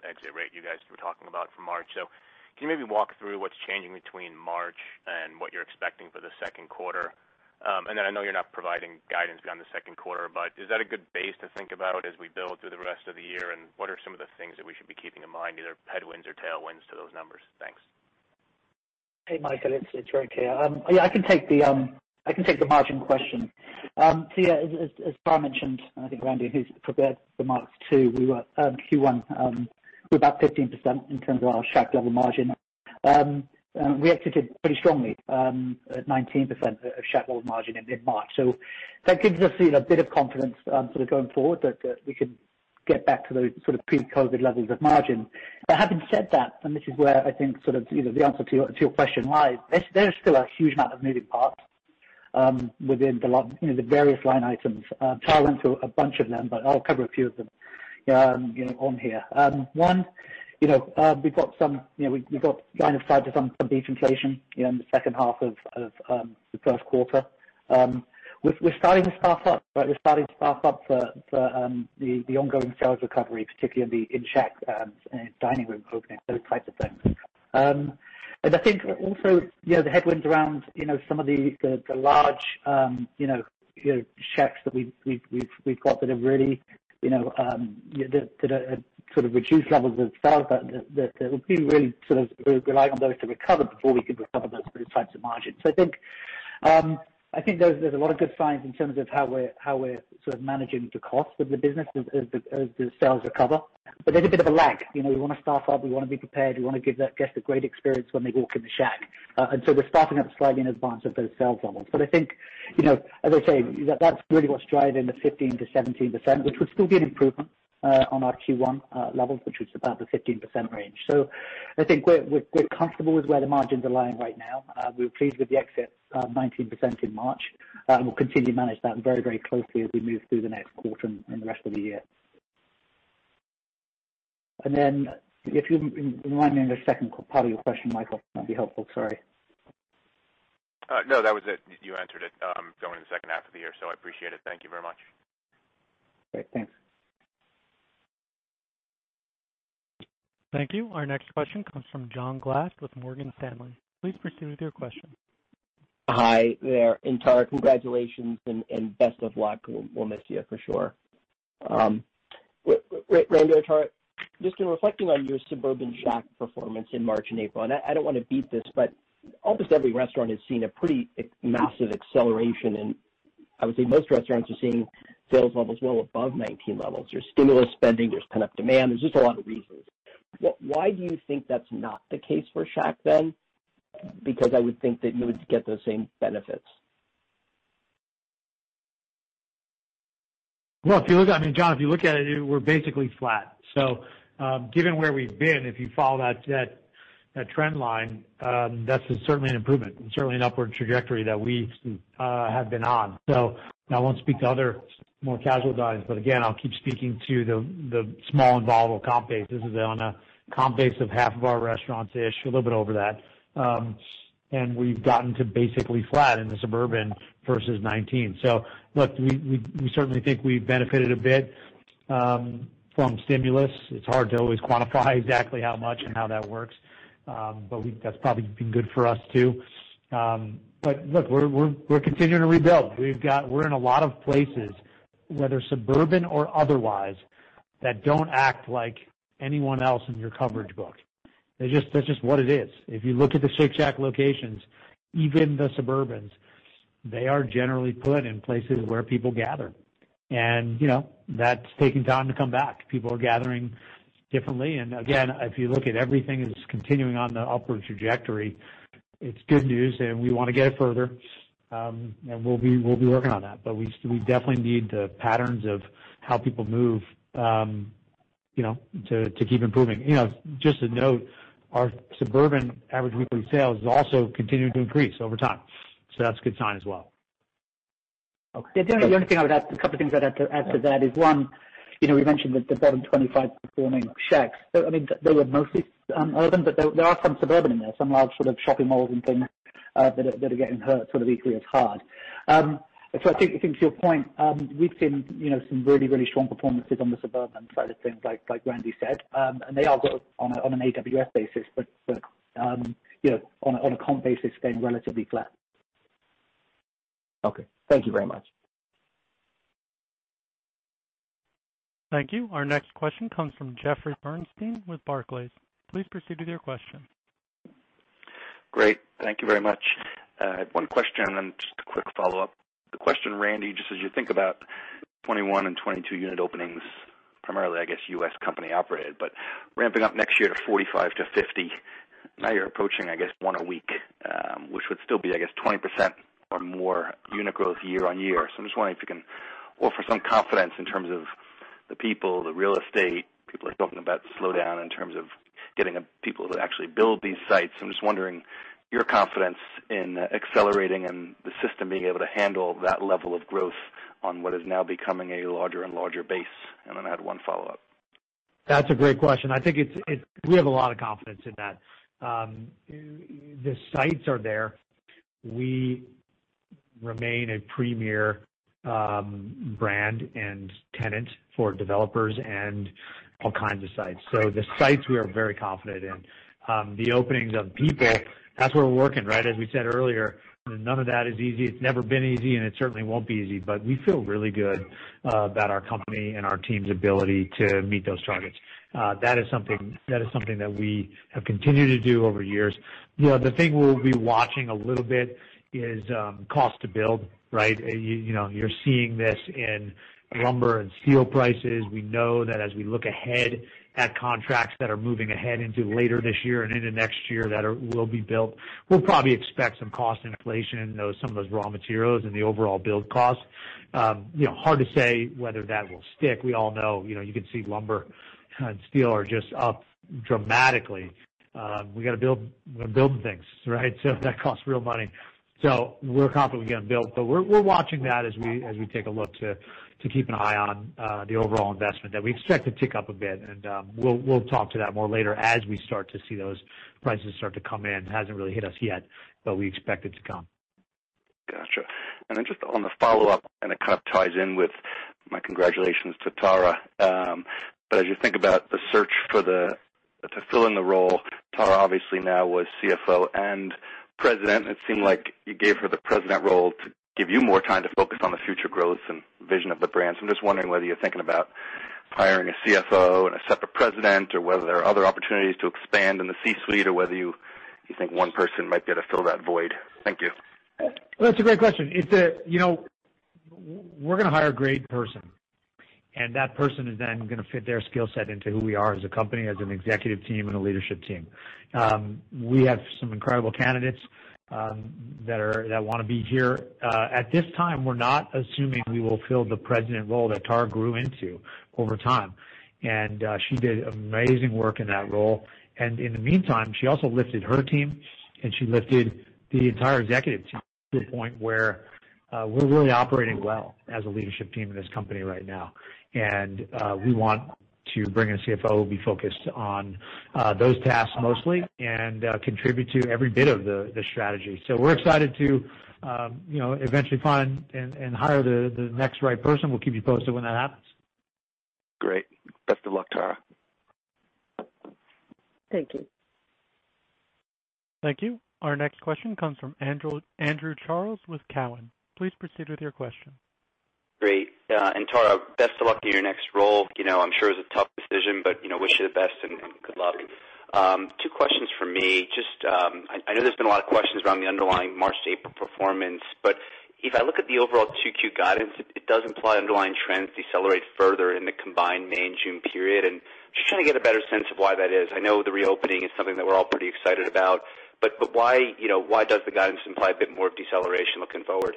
exit rate you guys were talking about for March. Can you maybe walk through what's changing between March and what you're expecting for the second quarter? I know you're not providing guidance beyond the second quarter, but is that a good base to think about as we build through the rest of the year? What are some of the things that we should be keeping in mind, either headwinds or tailwinds to those numbers? Thanks. Hey, Michael, it's Rik here. I can take the margin question. Yeah, as Tara mentioned, and I think Randy, who's prepared the remarks too, we were at Q1 with about 15% in terms of our Shack-level margin. We exited pretty strongly at 19% of Shack-level margin in mid-March. That gives us a bit of confidence going forward that we could get back to those pre-COVID levels of margin. Having said that, and this is where I think the answer to your question lies, there is still a huge amount of moving parts within the various line items. Tara went through a bunch of them. I'll cover a few of them on here. One, we got kind of tied to some beef inflation in the second half of the first quarter. We're starting to staff up, we're starting to staff up for the ongoing sales recovery, particularly in the in-Shack and dining room opening, those types of things. I think also the headwinds around some of the large Shacks that we've got that have reduced levels of sales, that we really rely on those to recover before we can recover those types of margins. I think there's a lot of good signs in terms of how we're managing the cost of the business as the sales recover. There's a bit of a lag. We want to staff up. We want to be prepared. We want to give that guest a great experience when they walk in the Shack. We're staffing up slightly in advance of those sales levels. I think, as I say, that's really what's driving the 15%-17%, which would still be an improvement on our Q1 levels, which was about the 15% range. I think we're comfortable with where the margins are lying right now. We were pleased with the exit of 19% in March, and we'll continue to manage that very closely as we move through the next quarter and the rest of the year. If you remind me of the second part of your question, Michael, that'd be helpful, sorry. No, that was it. You answered it, going in the second half of the year, so I appreciate it. Thank you very much. Great. Thanks. Thank you. Our next question comes from John Glass with Morgan Stanley. Please proceed with your question. Hi there, Tara, congratulations and best of luck. We'll miss you for sure. Randy or Tara, just in reflecting on your suburban Shack performance in March and April, I don't want to beat this, almost every restaurant has seen a pretty massive acceleration, I would say most restaurants are seeing sales levels well above 2019 levels. There's stimulus spending, there's pent-up demand. There's just a lot of reasons. Why do you think that's not the case for Shack then? I would think that you would get those same benefits. Well, John, if you look at it, we're basically flat. Given where we've been, if you follow that trend line, that's certainly an improvement and certainly an upward trajectory that we have been on. I won't speak to other more casual guys, but again, I'll keep speaking to the small and volatile comp base. This is on a comp base of half of our restaurants-ish, a little bit over that. We've gotten to basically flat in the suburban versus 2019. Look, we certainly think we've benefited a bit from stimulus. It's hard to always quantify exactly how much and how that works, but that's probably been good for us too. Look, we're continuing to rebuild. We're in a lot of places, whether suburban or otherwise, that don't act like anyone else in your coverage book. That's just what it is. If you look at the Shake Shack locations, even the suburban, they are generally put in places where people gather. That's taking time to come back. People are gathering differently. Again, if you look at everything that's continuing on the upward trajectory, it's good news, and we want to get it further. We'll be working on that. We definitely need the patterns of how people move to keep improving. Just to note, our suburban Average Weekly Sales is also continuing to increase over time, so that's a good sign as well. Okay. The only thing I would add, a couple of things I'd add to that is one, we mentioned the bottom 25 performing Shacks. They were mostly urban. There are some suburban in there, some large shopping malls and things that are getting hurt equally as hard. I think to your point, we've seen some really strong performances on the suburban side of things, like Randy said, and they are on an AWS basis, but on a comp basis, staying relatively flat. Okay. Thank you very much. Thank you. Our next question comes from Jeffrey Bernstein with Barclays. Please proceed with your question. Great. Thank you very much. I have one question and then just a quick follow-up. The question, Randy, just as you think about 2021 and 2022 unit openings, primarily, I guess, U.S. company operated, but ramping up next year to 45-50. Now you're approaching, I guess, one a week, which would still be, I guess, 20% or more unit growth year-over-year. I'm just wondering if you can offer some confidence in terms of the people, the real estate, people are talking about slowdown in terms of getting people to actually build these sites. I'm just wondering your confidence in accelerating and the system being able to handle that level of growth on what is now becoming a larger and larger base. I had one follow-up. That's a great question. I think we have a lot of confidence in that. The sites are there. We remain a premier brand and tenant for developers and all kinds of sites. The sites, we are very confident in. The openings of people, that's where we're working, right? As we said earlier, none of that is easy. It's never been easy, and it certainly won't be easy. We feel really good about our company and our team's ability to meet those targets. That is something that we have continued to do over years. The thing we'll be watching a little bit is cost to build, right? You're seeing this in lumber and steel prices. We know that as we look ahead at contracts that are moving ahead into later this year and into next year that will be built, we'll probably expect some cost inflation in some of those raw materials and the overall build cost. Hard to say whether that will stick. We all know, you can see lumber and steel are just up dramatically. We've got to build things, right? That costs real money. We're confident we can get them built, but we're watching that as we take a look to keep an eye on the overall investment that we expect to tick up a bit, and we'll talk to that more later as we start to see those prices start to come in. Hasn't really hit us yet, but we expect it to come. Got you. Then just on the follow-up, and it kind of ties in with my congratulations to Tara, but as you think about the search to fill in the role, Tara obviously now was CFO and president, it seemed like you gave her the president role to give you more time to focus on the future growth and vision of the brand. I'm just wondering whether you're thinking about hiring a CFO and a separate president, or whether there are other opportunities to expand in the C-suite, or whether you think one person might be able to fill that void. Thank you. That's a great question. We're going to hire a great person, and that person is then going to fit their skill set into who we are as a company, as an executive team, and a leadership team. We have some incredible candidates that want to be here. At this time, we're not assuming we will fill the president role that Tara grew into over time, and she did amazing work in that role. In the meantime, she also lifted her team, and she lifted the entire executive team to the point where we're really operating well as a leadership team in this company right now. We want to bring in a CFO who'll be focused on those tasks mostly and contribute to every bit of the strategy. We're excited to eventually find and hire the next right person. We'll keep you posted when that happens. Great. Best of luck, Tara. Thank you. Thank you. Our next question comes from Andrew Charles with Cowen. Please proceed with your question. Great. Tara, best of luck in your next role. I'm sure it was a tough decision, but wish you the best and good luck. Two questions from me. Just, I know there's been a lot of questions around the underlying March to April performance, but if I look at the overall 2Q guidance, it does imply underlying trends decelerate further in the combined May and June period, and just trying to get a better sense of why that is. I know the reopening is something that we're all pretty excited about, why does the guidance imply a bit more deceleration looking forward?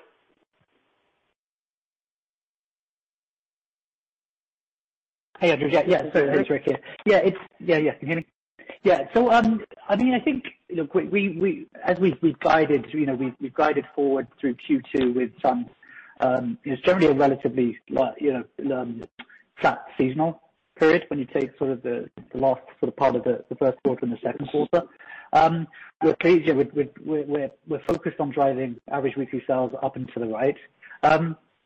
Hey, Andrew. It's Rik here. Can you hear me? I think, as we've guided forward through Q2 with some, certainly a relatively flat seasonal period when you take sort of the last part of the first quarter and the second quarter. We're focused on driving average weekly sales up and to the right.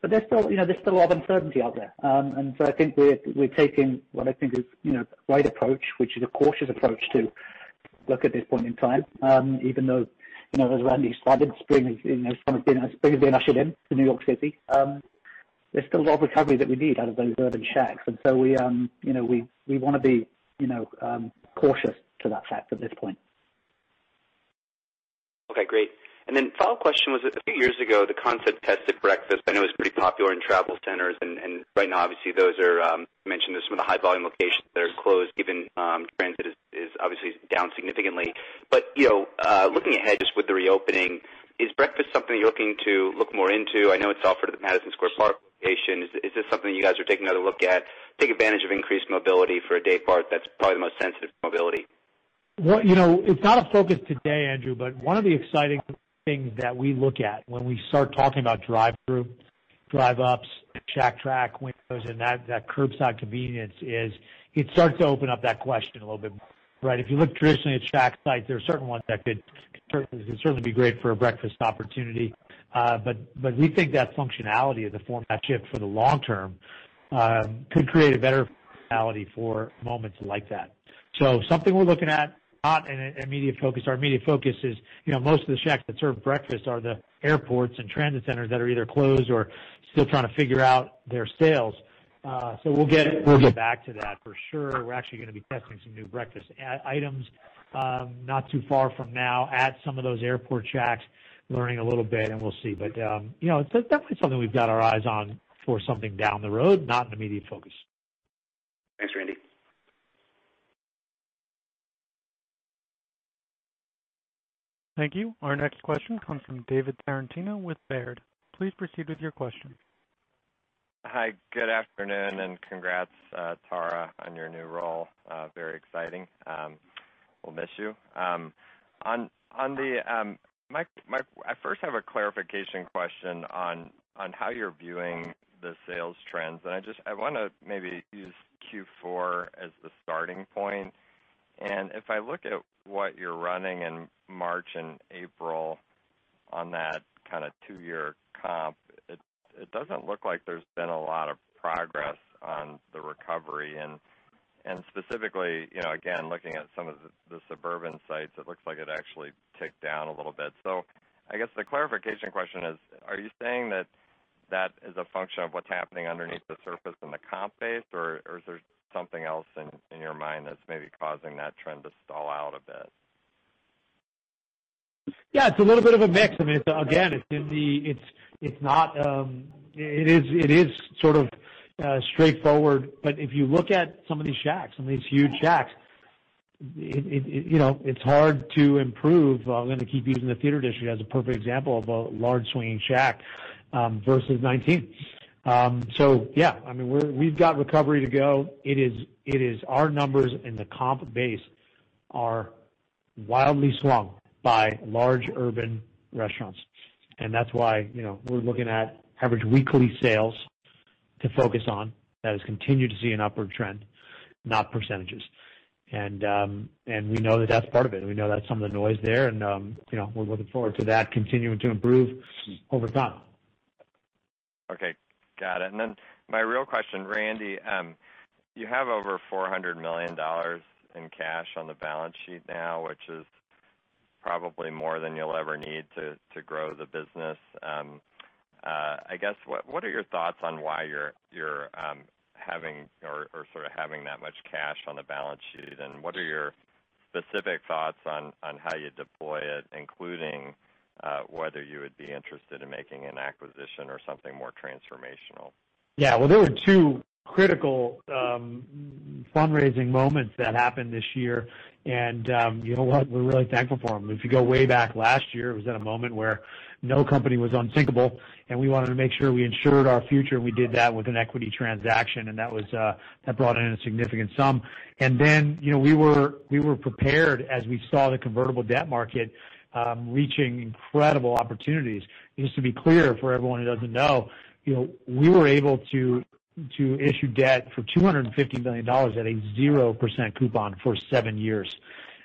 There's still a lot of uncertainty out there. I think we're taking what I think is the right approach, which is a cautious approach to look at this point in time, even though, as Randy expanded, spring has been ushering in to New York City. There's still a lot of recovery that we need out of those urban Shacks, and so we want to be cautious to that fact at this point. Okay, great. Final question was, a few years ago, the concept tested breakfast. I know it was pretty popular in travel centers, and right now, obviously, those are, you mentioned, some of the high volume locations that are closed, given transit is obviously down significantly. Looking ahead just with the reopening, is breakfast something you're looking to look more into? I know it's offered at the Madison Square Park location. Is this something you guys are taking another look at, take advantage of increased mobility for a day part that's probably the most sensitive to mobility? Well, it's not a focus today, Andrew, but one of the exciting things that we look at when we start talking about drive-through, drive-ups, Shack Track windows, and that curbside convenience is it starts to open up that question a little bit more, right? If you look traditionally at Shack sites, there are certain ones that could certainly be great for a breakfast opportunity. We think that functionality as a format shift for the long term could create a better functionality for moments like that. Something we're looking at, not an immediate focus. Our immediate focus is most of the Shacks that serve breakfast are the airports and transit centers that are either closed or still trying to figure out their sales. We'll get back to that for sure. We're actually going to be testing some new breakfast items not too far from now at some of those airport Shacks, learning a little bit, and we'll see. It's definitely something we've got our eyes on for something down the road, not an immediate focus. Thanks, Randy. Thank you. Our next question comes from David Tarantino with Baird. Please proceed with your question. Hi, good afternoon, and congrats, Tara, on your new role. Very exciting. We'll miss you. I first have a clarification question on how you're viewing the sales trends. I want to maybe use Q4 as the starting point. If I look at what you're running in March and April on that kind of two-year comp, it doesn't look like there's been a lot of progress on the recovery and specifically, again, looking at some of the suburban sites, it looks like it actually ticked down a little bit. I guess the clarification question is, are you saying that that is a function of what's happening underneath the surface in the comp base, or is there something else in your mind that's maybe causing that trend to stall out a bit? Yeah, it's a little bit of a mix. Again, it is sort of straightforward. If you look at some of these Shacks, some of these huge Shacks, it's hard to improve. I'm going to keep using the Theater District as a perfect example of a large swinging Shack versus 2019. Yeah, we've got recovery to go. Our numbers in the comp base are wildly swung by large urban restaurants, and that's why we're looking at average weekly sales to focus on that has continued to see an upward trend, not percentage. We know that's part of it. We know that's some of the noise there, and we're looking forward to that continuing to improve over time. Okay, got it. My real question, Randy, you have over $400 million in cash on the balance sheet now, which is probably more than you'll ever need to grow the business. I guess, what are your thoughts on why you're having that much cash on the balance sheet, and what are your specific thoughts on how you deploy it, including whether you would be interested in making an acquisition or something more transformational? Well, there were two critical fundraising moments that happened this year, you know what. We're really thankful for them. If you go way back last year, it was at a moment where no company was unthinkable, and we wanted to make sure we ensured our future, and we did that with an equity transaction, and that brought in a significant sum. Then we were prepared as we saw the convertible debt market reaching incredible opportunities. Just to be clear for everyone who doesn't know, we were able to issue debt for $250 million at a 0% coupon for seven years.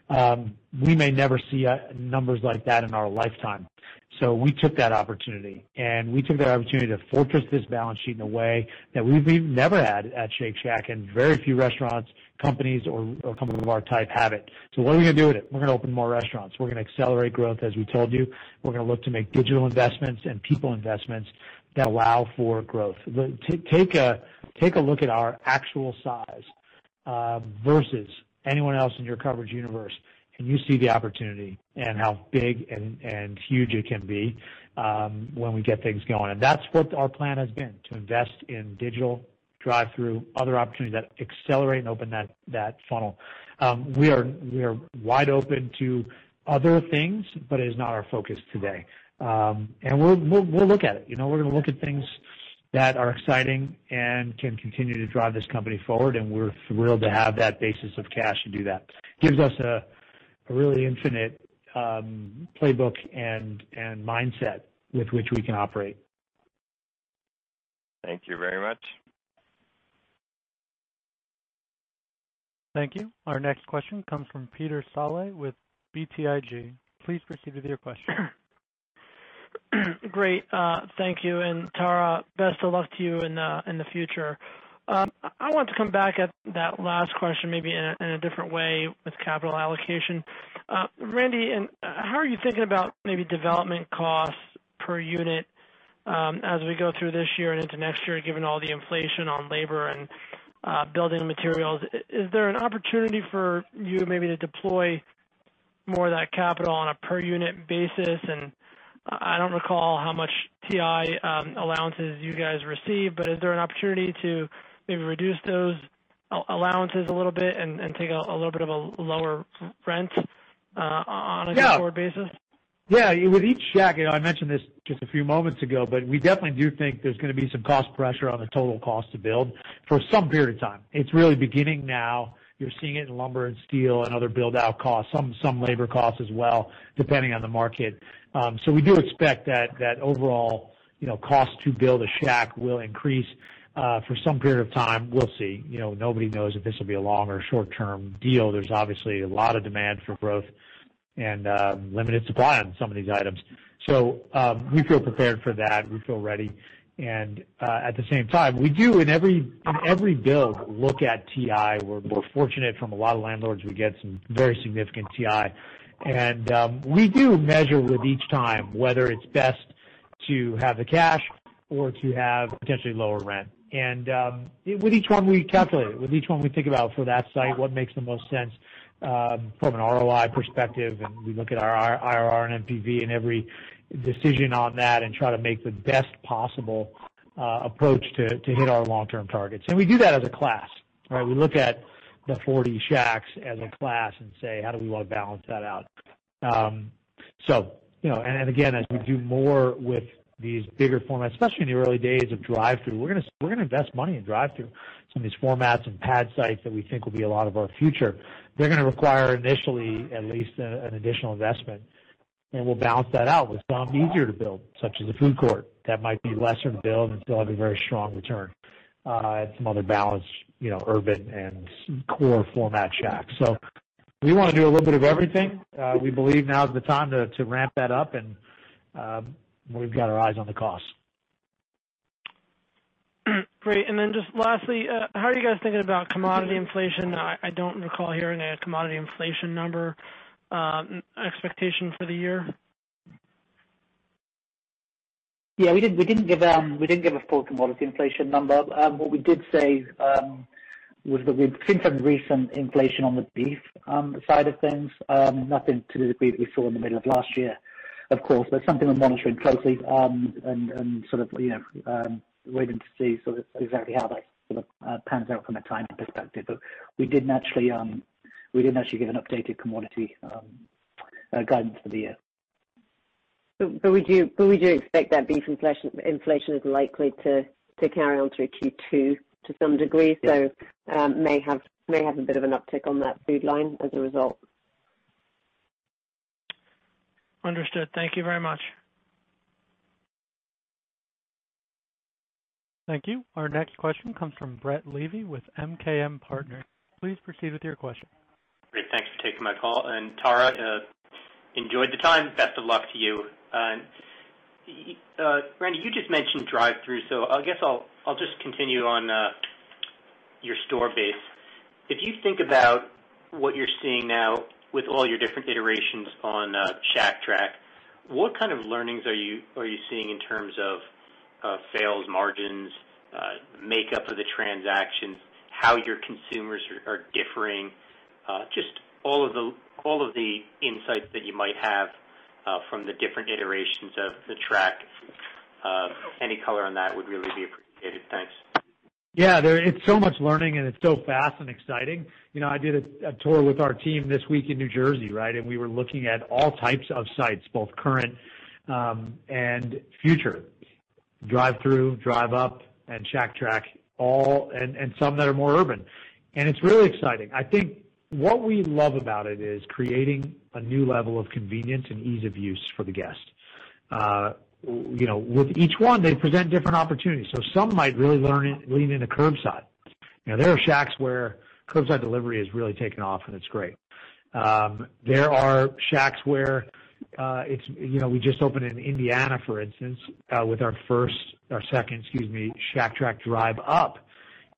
We may never see numbers like that in our lifetime. We took that opportunity, and we took that opportunity to fortress this balance sheet in a way that we've never had at Shake Shack, and very few restaurants, companies, or companies of our type have it. What are we going to do with it? We're going to open more restaurants. We're going to accelerate growth, as we told you. We're going to look to make digital investments and people investments that allow for growth. Take a look at our actual size versus anyone else in your coverage universe, and you see the opportunity and how big and huge it can be when we get things going. That's what our plan has been, to invest in digital drive-through, other opportunities that accelerate and open that funnel. We are wide open to other things, but it is not our focus today. We'll look at it. We're going to look at things that are exciting and can continue to drive this company forward, and we're thrilled to have that basis of cash to do that. Gives us a really infinite playbook and mindset with which we can operate. Thank you very much. Thank you. Our next question comes from Peter Saleh with BTIG. Please proceed with your question. Great. Thank you. Tara, best of luck to you in the future. I want to come back at that last question maybe in a different way with capital allocation. Randy, how are you thinking about maybe development costs per unit as we go through this year and into next year, given all the inflation on labor and building materials? Is there an opportunity for you maybe to deploy more of that capital on a per unit basis? I don't recall how much TI allowances you guys receive, but is there an opportunity to maybe reduce those allowances a little bit and take a little bit of a lower rent on a going forward basis? Yeah. With each Shack, I mentioned this just a few moments ago, but we definitely do think there's going to be some cost pressure on the total cost to build for some period of time. It's really beginning now. You're seeing it in lumber and steel and other build-out costs, some labor costs as well, depending on the market. We do expect that overall cost to build a Shack will increase for some period of time. We'll see. Nobody knows if this will be a long or short-term deal. There's obviously a lot of demand for growth and limited supply on some of these items. We feel prepared for that. We feel ready. At the same time, we do in every build, look at TI. We're fortunate from a lot of landlords, we get some very significant TI. We do measure with each time whether it's best to have the cash or to have potentially lower rent. With each one, we calculate it. With each one, we think about for that site what makes the most sense from an ROI perspective, and we look at our IRR and NPV and every decision on that and try to make the best possible approach to hit our long-term targets. We do that as a class. We look at the 40 Shacks as a class and say, "How do we want to balance that out?" Again, as we do more with these bigger formats, especially in the early days of drive-through, we're going to invest money in drive-through. Some of these formats and pad sites that we think will be a lot of our future, they're going to require initially at least an additional investment, and we'll balance that out with some easier to build, such as a food court, that might be lesser to build and still have a very strong return, and some other balanced urban and core format Shack. We want to do a little bit of everything. We believe now is the time to ramp that up, and we've got our eyes on the costs. Great. Just lastly, how are you guys thinking about commodity inflation? I don't recall hearing a commodity inflation number expectation for the year. Yeah, we didn't give a full commodity inflation number. What we did say was that we've seen some recent inflation on the beef side of things. Nothing to the degree that we saw in the middle of last year, of course. Something we're monitoring closely, and waiting to see exactly how that pans out from a timing perspective. We didn't actually give an updated commodity guidance for the year. We do expect that beef inflation is likely to carry on through Q2 to some degree. May have a bit of an uptick on that food line as a result. Understood. Thank you very much. Thank you. Our next question comes from Brett Levy with MKM Partners. Please proceed with your question. Great. Thanks for taking my call. Tara, enjoyed the time. Best of luck to you. Randy, you just mentioned drive-through, I guess I'll just continue on your store base. If you think about what you're seeing now with all your different iterations on Shack Track, what kind of learnings are you seeing in terms of sales margins, makeup of the transactions, how your consumers are differing? Just all of the insights that you might have from the different iterations of the Track. Any color on that would really be appreciated. Thanks. Yeah, it's so much learning and it's so fast and exciting. I did a tour with our team this week in New Jersey, and we were looking at all types of sites, both current and future. Drive-through, drive-up and Shack Track, and some that are more urban, and it's really exciting. I think what we love about it is creating a new level of convenience and ease of use for the guest. With each one, they present different opportunities. Some might really lean into curbside. There are Shacks where curbside delivery has really taken off, and it's great. There are Shacks where we just opened in Indiana, for instance, with our first, our second, excuse me, Shack Track drive up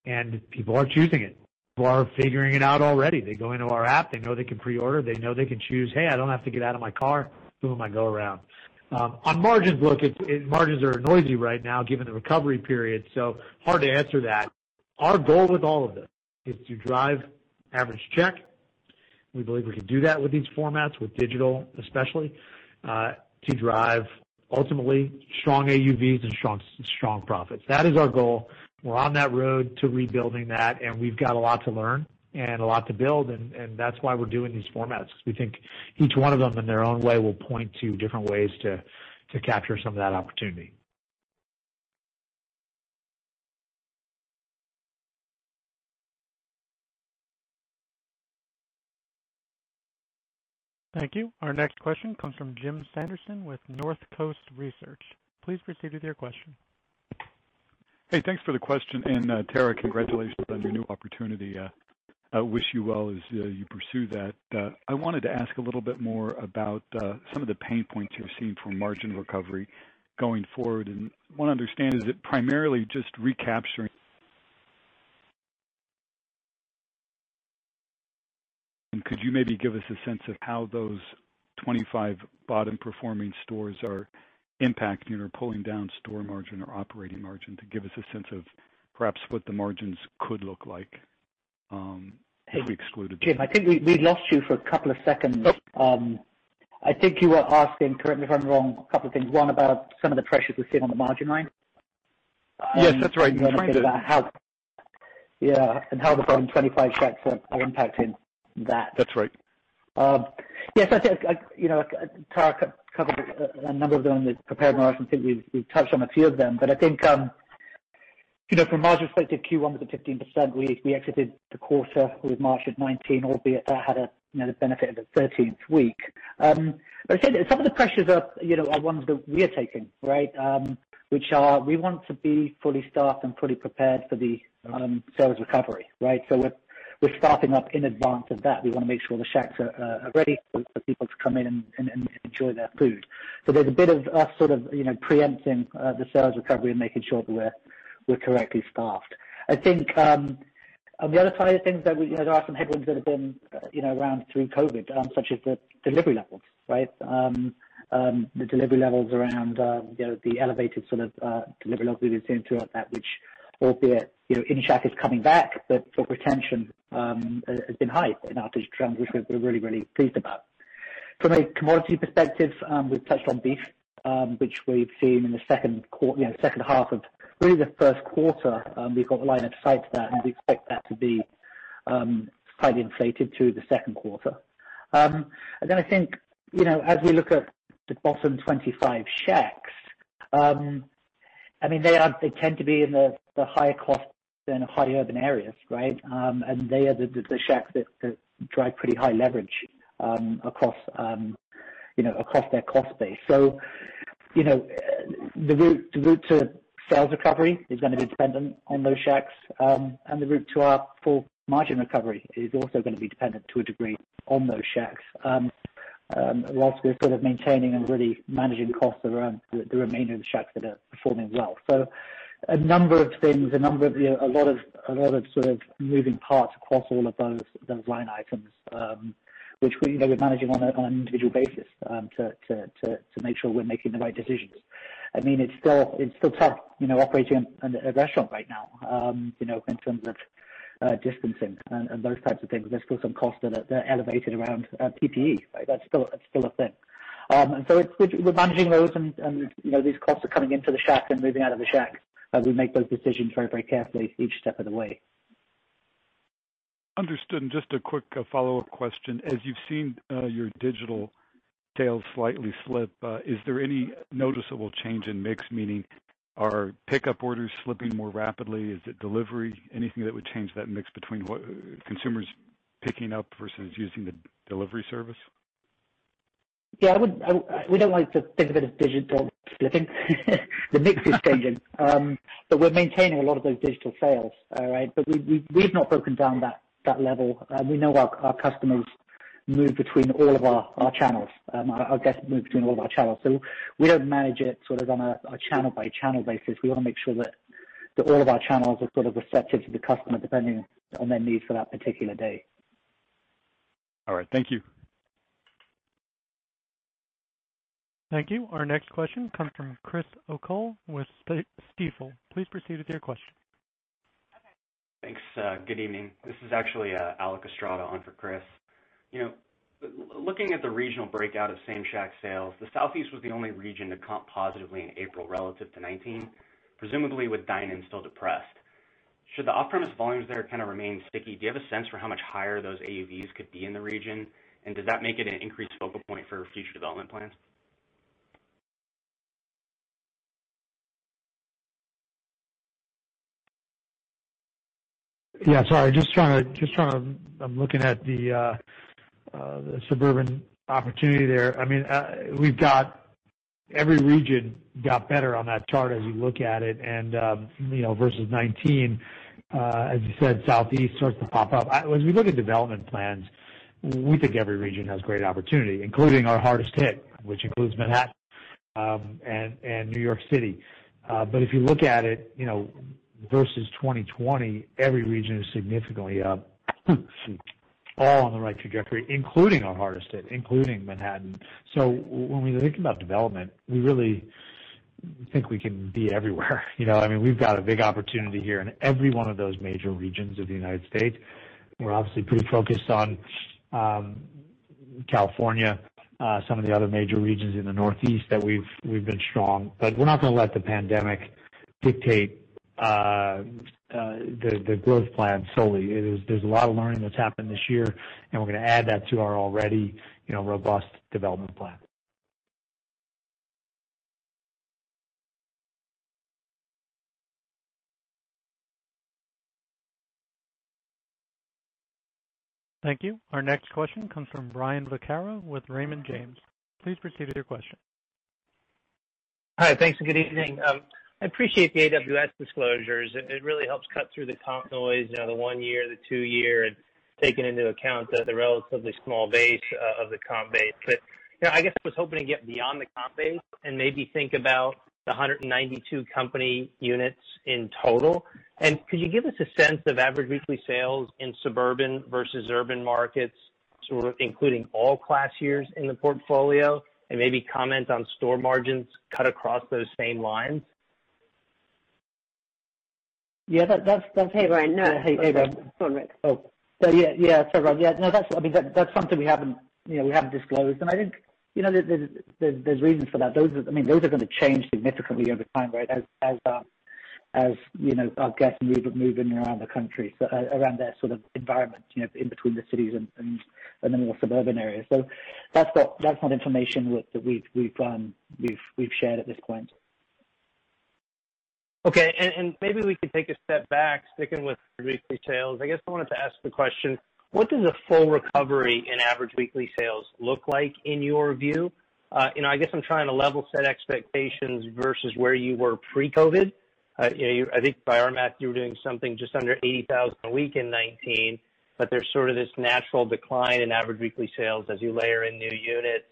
and people are choosing it. People are figuring it out already. They go into our app, they know they can pre-order. They know they can choose, "Hey, I don't have to get out of my car. Boom, I go around." On margins, look, margins are noisy right now given the recovery period, so hard to answer that. Our goal with all of this is to drive average check. We believe we can do that with these formats, with digital especially, to drive ultimately strong AUVs and strong profits. That is our goal. We're on that road to rebuilding that, and we've got a lot to learn and a lot to build, and that's why we're doing these formats, because we think each one of them, in their own way, will point to different ways to capture some of that opportunity. Thank you. Our next question comes from Jim Sanderson with Northcoast Research. Please proceed with your question. Hey, thanks for the question. Tara, congratulations on your new opportunity. I wish you well as you pursue that. I wanted to ask a little bit more about some of the pain points you're seeing from margin recovery going forward. Could you maybe give us a sense of how those 25 bottom performing stores are impacting or pulling down store margin or operating margin to give us a sense of perhaps what the margins could look like if we excluded them? Jim, I think we lost you for a couple of seconds. Oh. I think you were asking, correct me if I'm wrong, a couple of things. One, about some of the pressures we're seeing on the margin line. Yes, that's right. Also about how the bottom 25 Shacks are impacting that. That's right. Yes. I think Tara covered a number of them in the prepared remarks, and I think we've touched on a few of them. I think from a margin perspective, Q1 was at 15%. We exited the quarter with margin 19%, albeit that had the benefit of the 13th week. Like I said, some of the pressures are ones that we are taking, which are, we want to be fully staffed and fully prepared for the sales recovery. We're staffing up in advance of that. We want to make sure the Shacks are ready for people to come in and enjoy their food. There's a bit of us pre-empting the sales recovery and making sure that we're correctly staffed. I think the other side of things that there are some headwinds that have been around through COVID, such as the delivery levels. The delivery levels around the elevated delivery levels that we've seen throughout that which albeit, in-Shack is coming back, but retention has been high in our digital trends, which we're really pleased about. From a commodity perspective, we've touched on beef, which we've seen in the second half of, really the first quarter. We've got line of sight to that, we expect that to be highly inflated through the second quarter. I think, as we look at the bottom 25 Shacks, they tend to be in the higher cost and higher urban areas, right? They are the Shacks that drive pretty high leverage across their cost base. The route to sales recovery is going to be dependent on those Shacks. The route to our full margin recovery is also going to be dependent, to a degree, on those Shacks. We're sort of maintaining and really managing costs around the remainder of the Shacks that are performing well. A number of things, a lot of sort of moving parts across all of those line items, which we are managing on an individual basis to make sure we're making the right decisions. It's still tough operating a restaurant right now in terms of distancing and those types of things. There's still some costs that are elevated around PPE, right? That's still a thing. We're managing those and these costs are coming into the Shack and moving out of the Shack as we make those decisions very carefully each step of the way. Understood. Just a quick follow-up question. As you've seen your digital sales slightly slip, is there any noticeable change in mix? Meaning are pickup orders slipping more rapidly? Is it delivery? Anything that would change that mix between what consumers picking up versus using the delivery service? Yeah, we don't like to think of it as digital slipping. The mix is changing, but we're maintaining a lot of those digital sales. All right. We've not broken down that level. We know our customers move between all of our channels. Our guests move between all of our channels, so we don't manage it sort of on a channel by channel basis. We want to make sure that all of our channels are sort of receptive to the customer, depending on their needs for that particular day. All right. Thank you. Thank you. Our next question comes from Chris O'Cull with Stifel. Please proceed with your question. Thanks. Good evening. This is actually Alec Estrada on for Chris. Looking at the regional breakout of same-Shack sales, the Southeast was the only region to comp positively in April relative to 2019, presumably with dine-in still depressed. Should the off-premise volumes there kind of remain sticky, do you have a sense for how much higher those AUVs could be in the region, and does that make it an increased focal point for future development plans? Yeah, sorry, I'm looking at the suburban opportunity there. Every region got better on that chart as we look at it versus 2019, as you said, Southeast starts to pop up. As we look at development plans, we think every region has great opportunity, including our hardest hit, which includes Manhattan and New York City. If you look at it versus 2020, every region is significantly up. All on the right trajectory, including our hardest hit, including Manhattan. When we think about development, we really think we can be everywhere. We've got a big opportunity here in every one of those major regions of the U.S. We're obviously pretty focused on California, some of the other major regions in the Northeast that we've been strong. We're not going to let the pandemic dictate the growth plan solely. There's a lot of learning that's happened this year, and we're going to add that to our already robust development plan. Thank you. Our next question comes from Brian Vaccaro with Raymond James. Please proceed with your question. Hi. Thanks and good evening. I appreciate the AWS disclosures. It really helps cut through the comp noise, the one year, the two year, and taking into account the relatively small base of the comp base. I guess I was hoping to get beyond the comp base and maybe think about the 192 company units in total. Could you give us a sense of average weekly sales in suburban versus urban markets, sort of including all class years in the portfolio, and maybe comment on store margins cut across those same lines? Yeah. Hey, Brian. No. Hey, Brian. Go on, Rik. Oh, yeah. Sorry about that. Yeah, no, that's something we haven't disclosed, and I think there's reasons for that. Those are going to change significantly over time, right, as our guests move in and around the country, around their sort of environment in between the cities and the more suburban areas. That's not information that we've shared at this point. Okay. Maybe we could take a step back, sticking with weekly sales. I guess I wanted to ask the question, what does a full recovery in average weekly sales look like in your view? I guess I'm trying to level set expectations versus where you were pre-COVID. I think by our math, you were doing something just under $80,000 a week in 2019, but there's sort of this natural decline in average weekly sales as you layer in new units.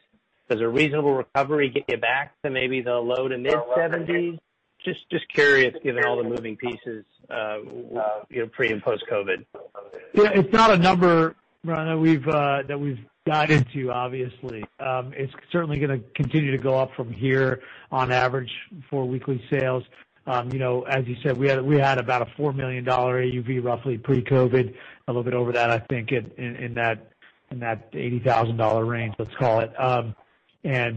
Does a reasonable recovery get you back to maybe the low to mid $70s? Just curious, given all the moving pieces pre and post-COVID. Yeah, it's not a number, Brian Vaccaro, that we've guided to, obviously. It's certainly going to continue to go up from here on average for weekly sales. As you said, we had about a $4 million AUV, roughly pre-COVID, a little bit over that, I think, in that $80,000 range, let's call it. As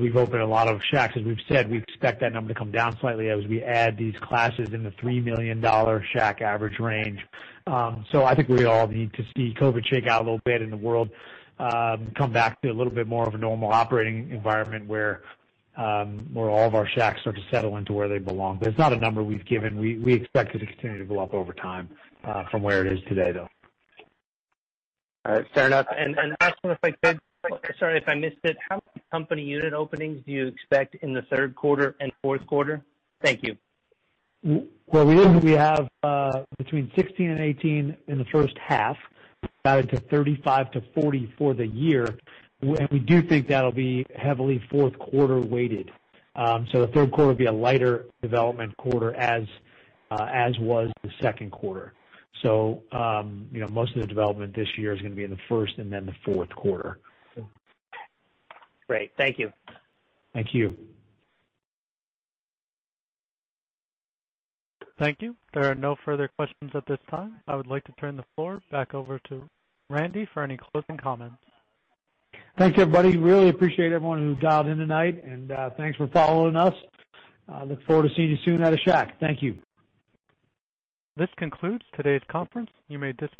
we've opened a lot of Shacks, as we've said, we expect that number to come down slightly as we add these classes in the $3 million Shack average range. I think we all need to see COVID shake out a little bit in the world, come back to a little bit more of a normal operating environment where all of our Shacks start to settle into where they belong. It's not a number we've given. We expect it to continue to go up over time from where it is today, though. All right, fair enough. Also if I could, sorry if I missed it, how many company unit openings do you expect in the third quarter and fourth quarter? Thank you. Well, we have between 16 and 18 in the first half, guided to 35-40 for the year. We do think that'll be heavily fourth quarter weighted. The third quarter will be a lighter development quarter as was the second quarter. Most of the development this year is going to be in the first and then the fourth quarter. Great. Thank you. Thank you. Thank you. There are no further questions at this time. I would like to turn the floor back over to Randy for any closing comments. Thanks, everybody. Really appreciate everyone who dialed in tonight, and thanks for following us. Look forward to seeing you soon at a Shack. Thank you. This concludes today's conference. You may disconnect.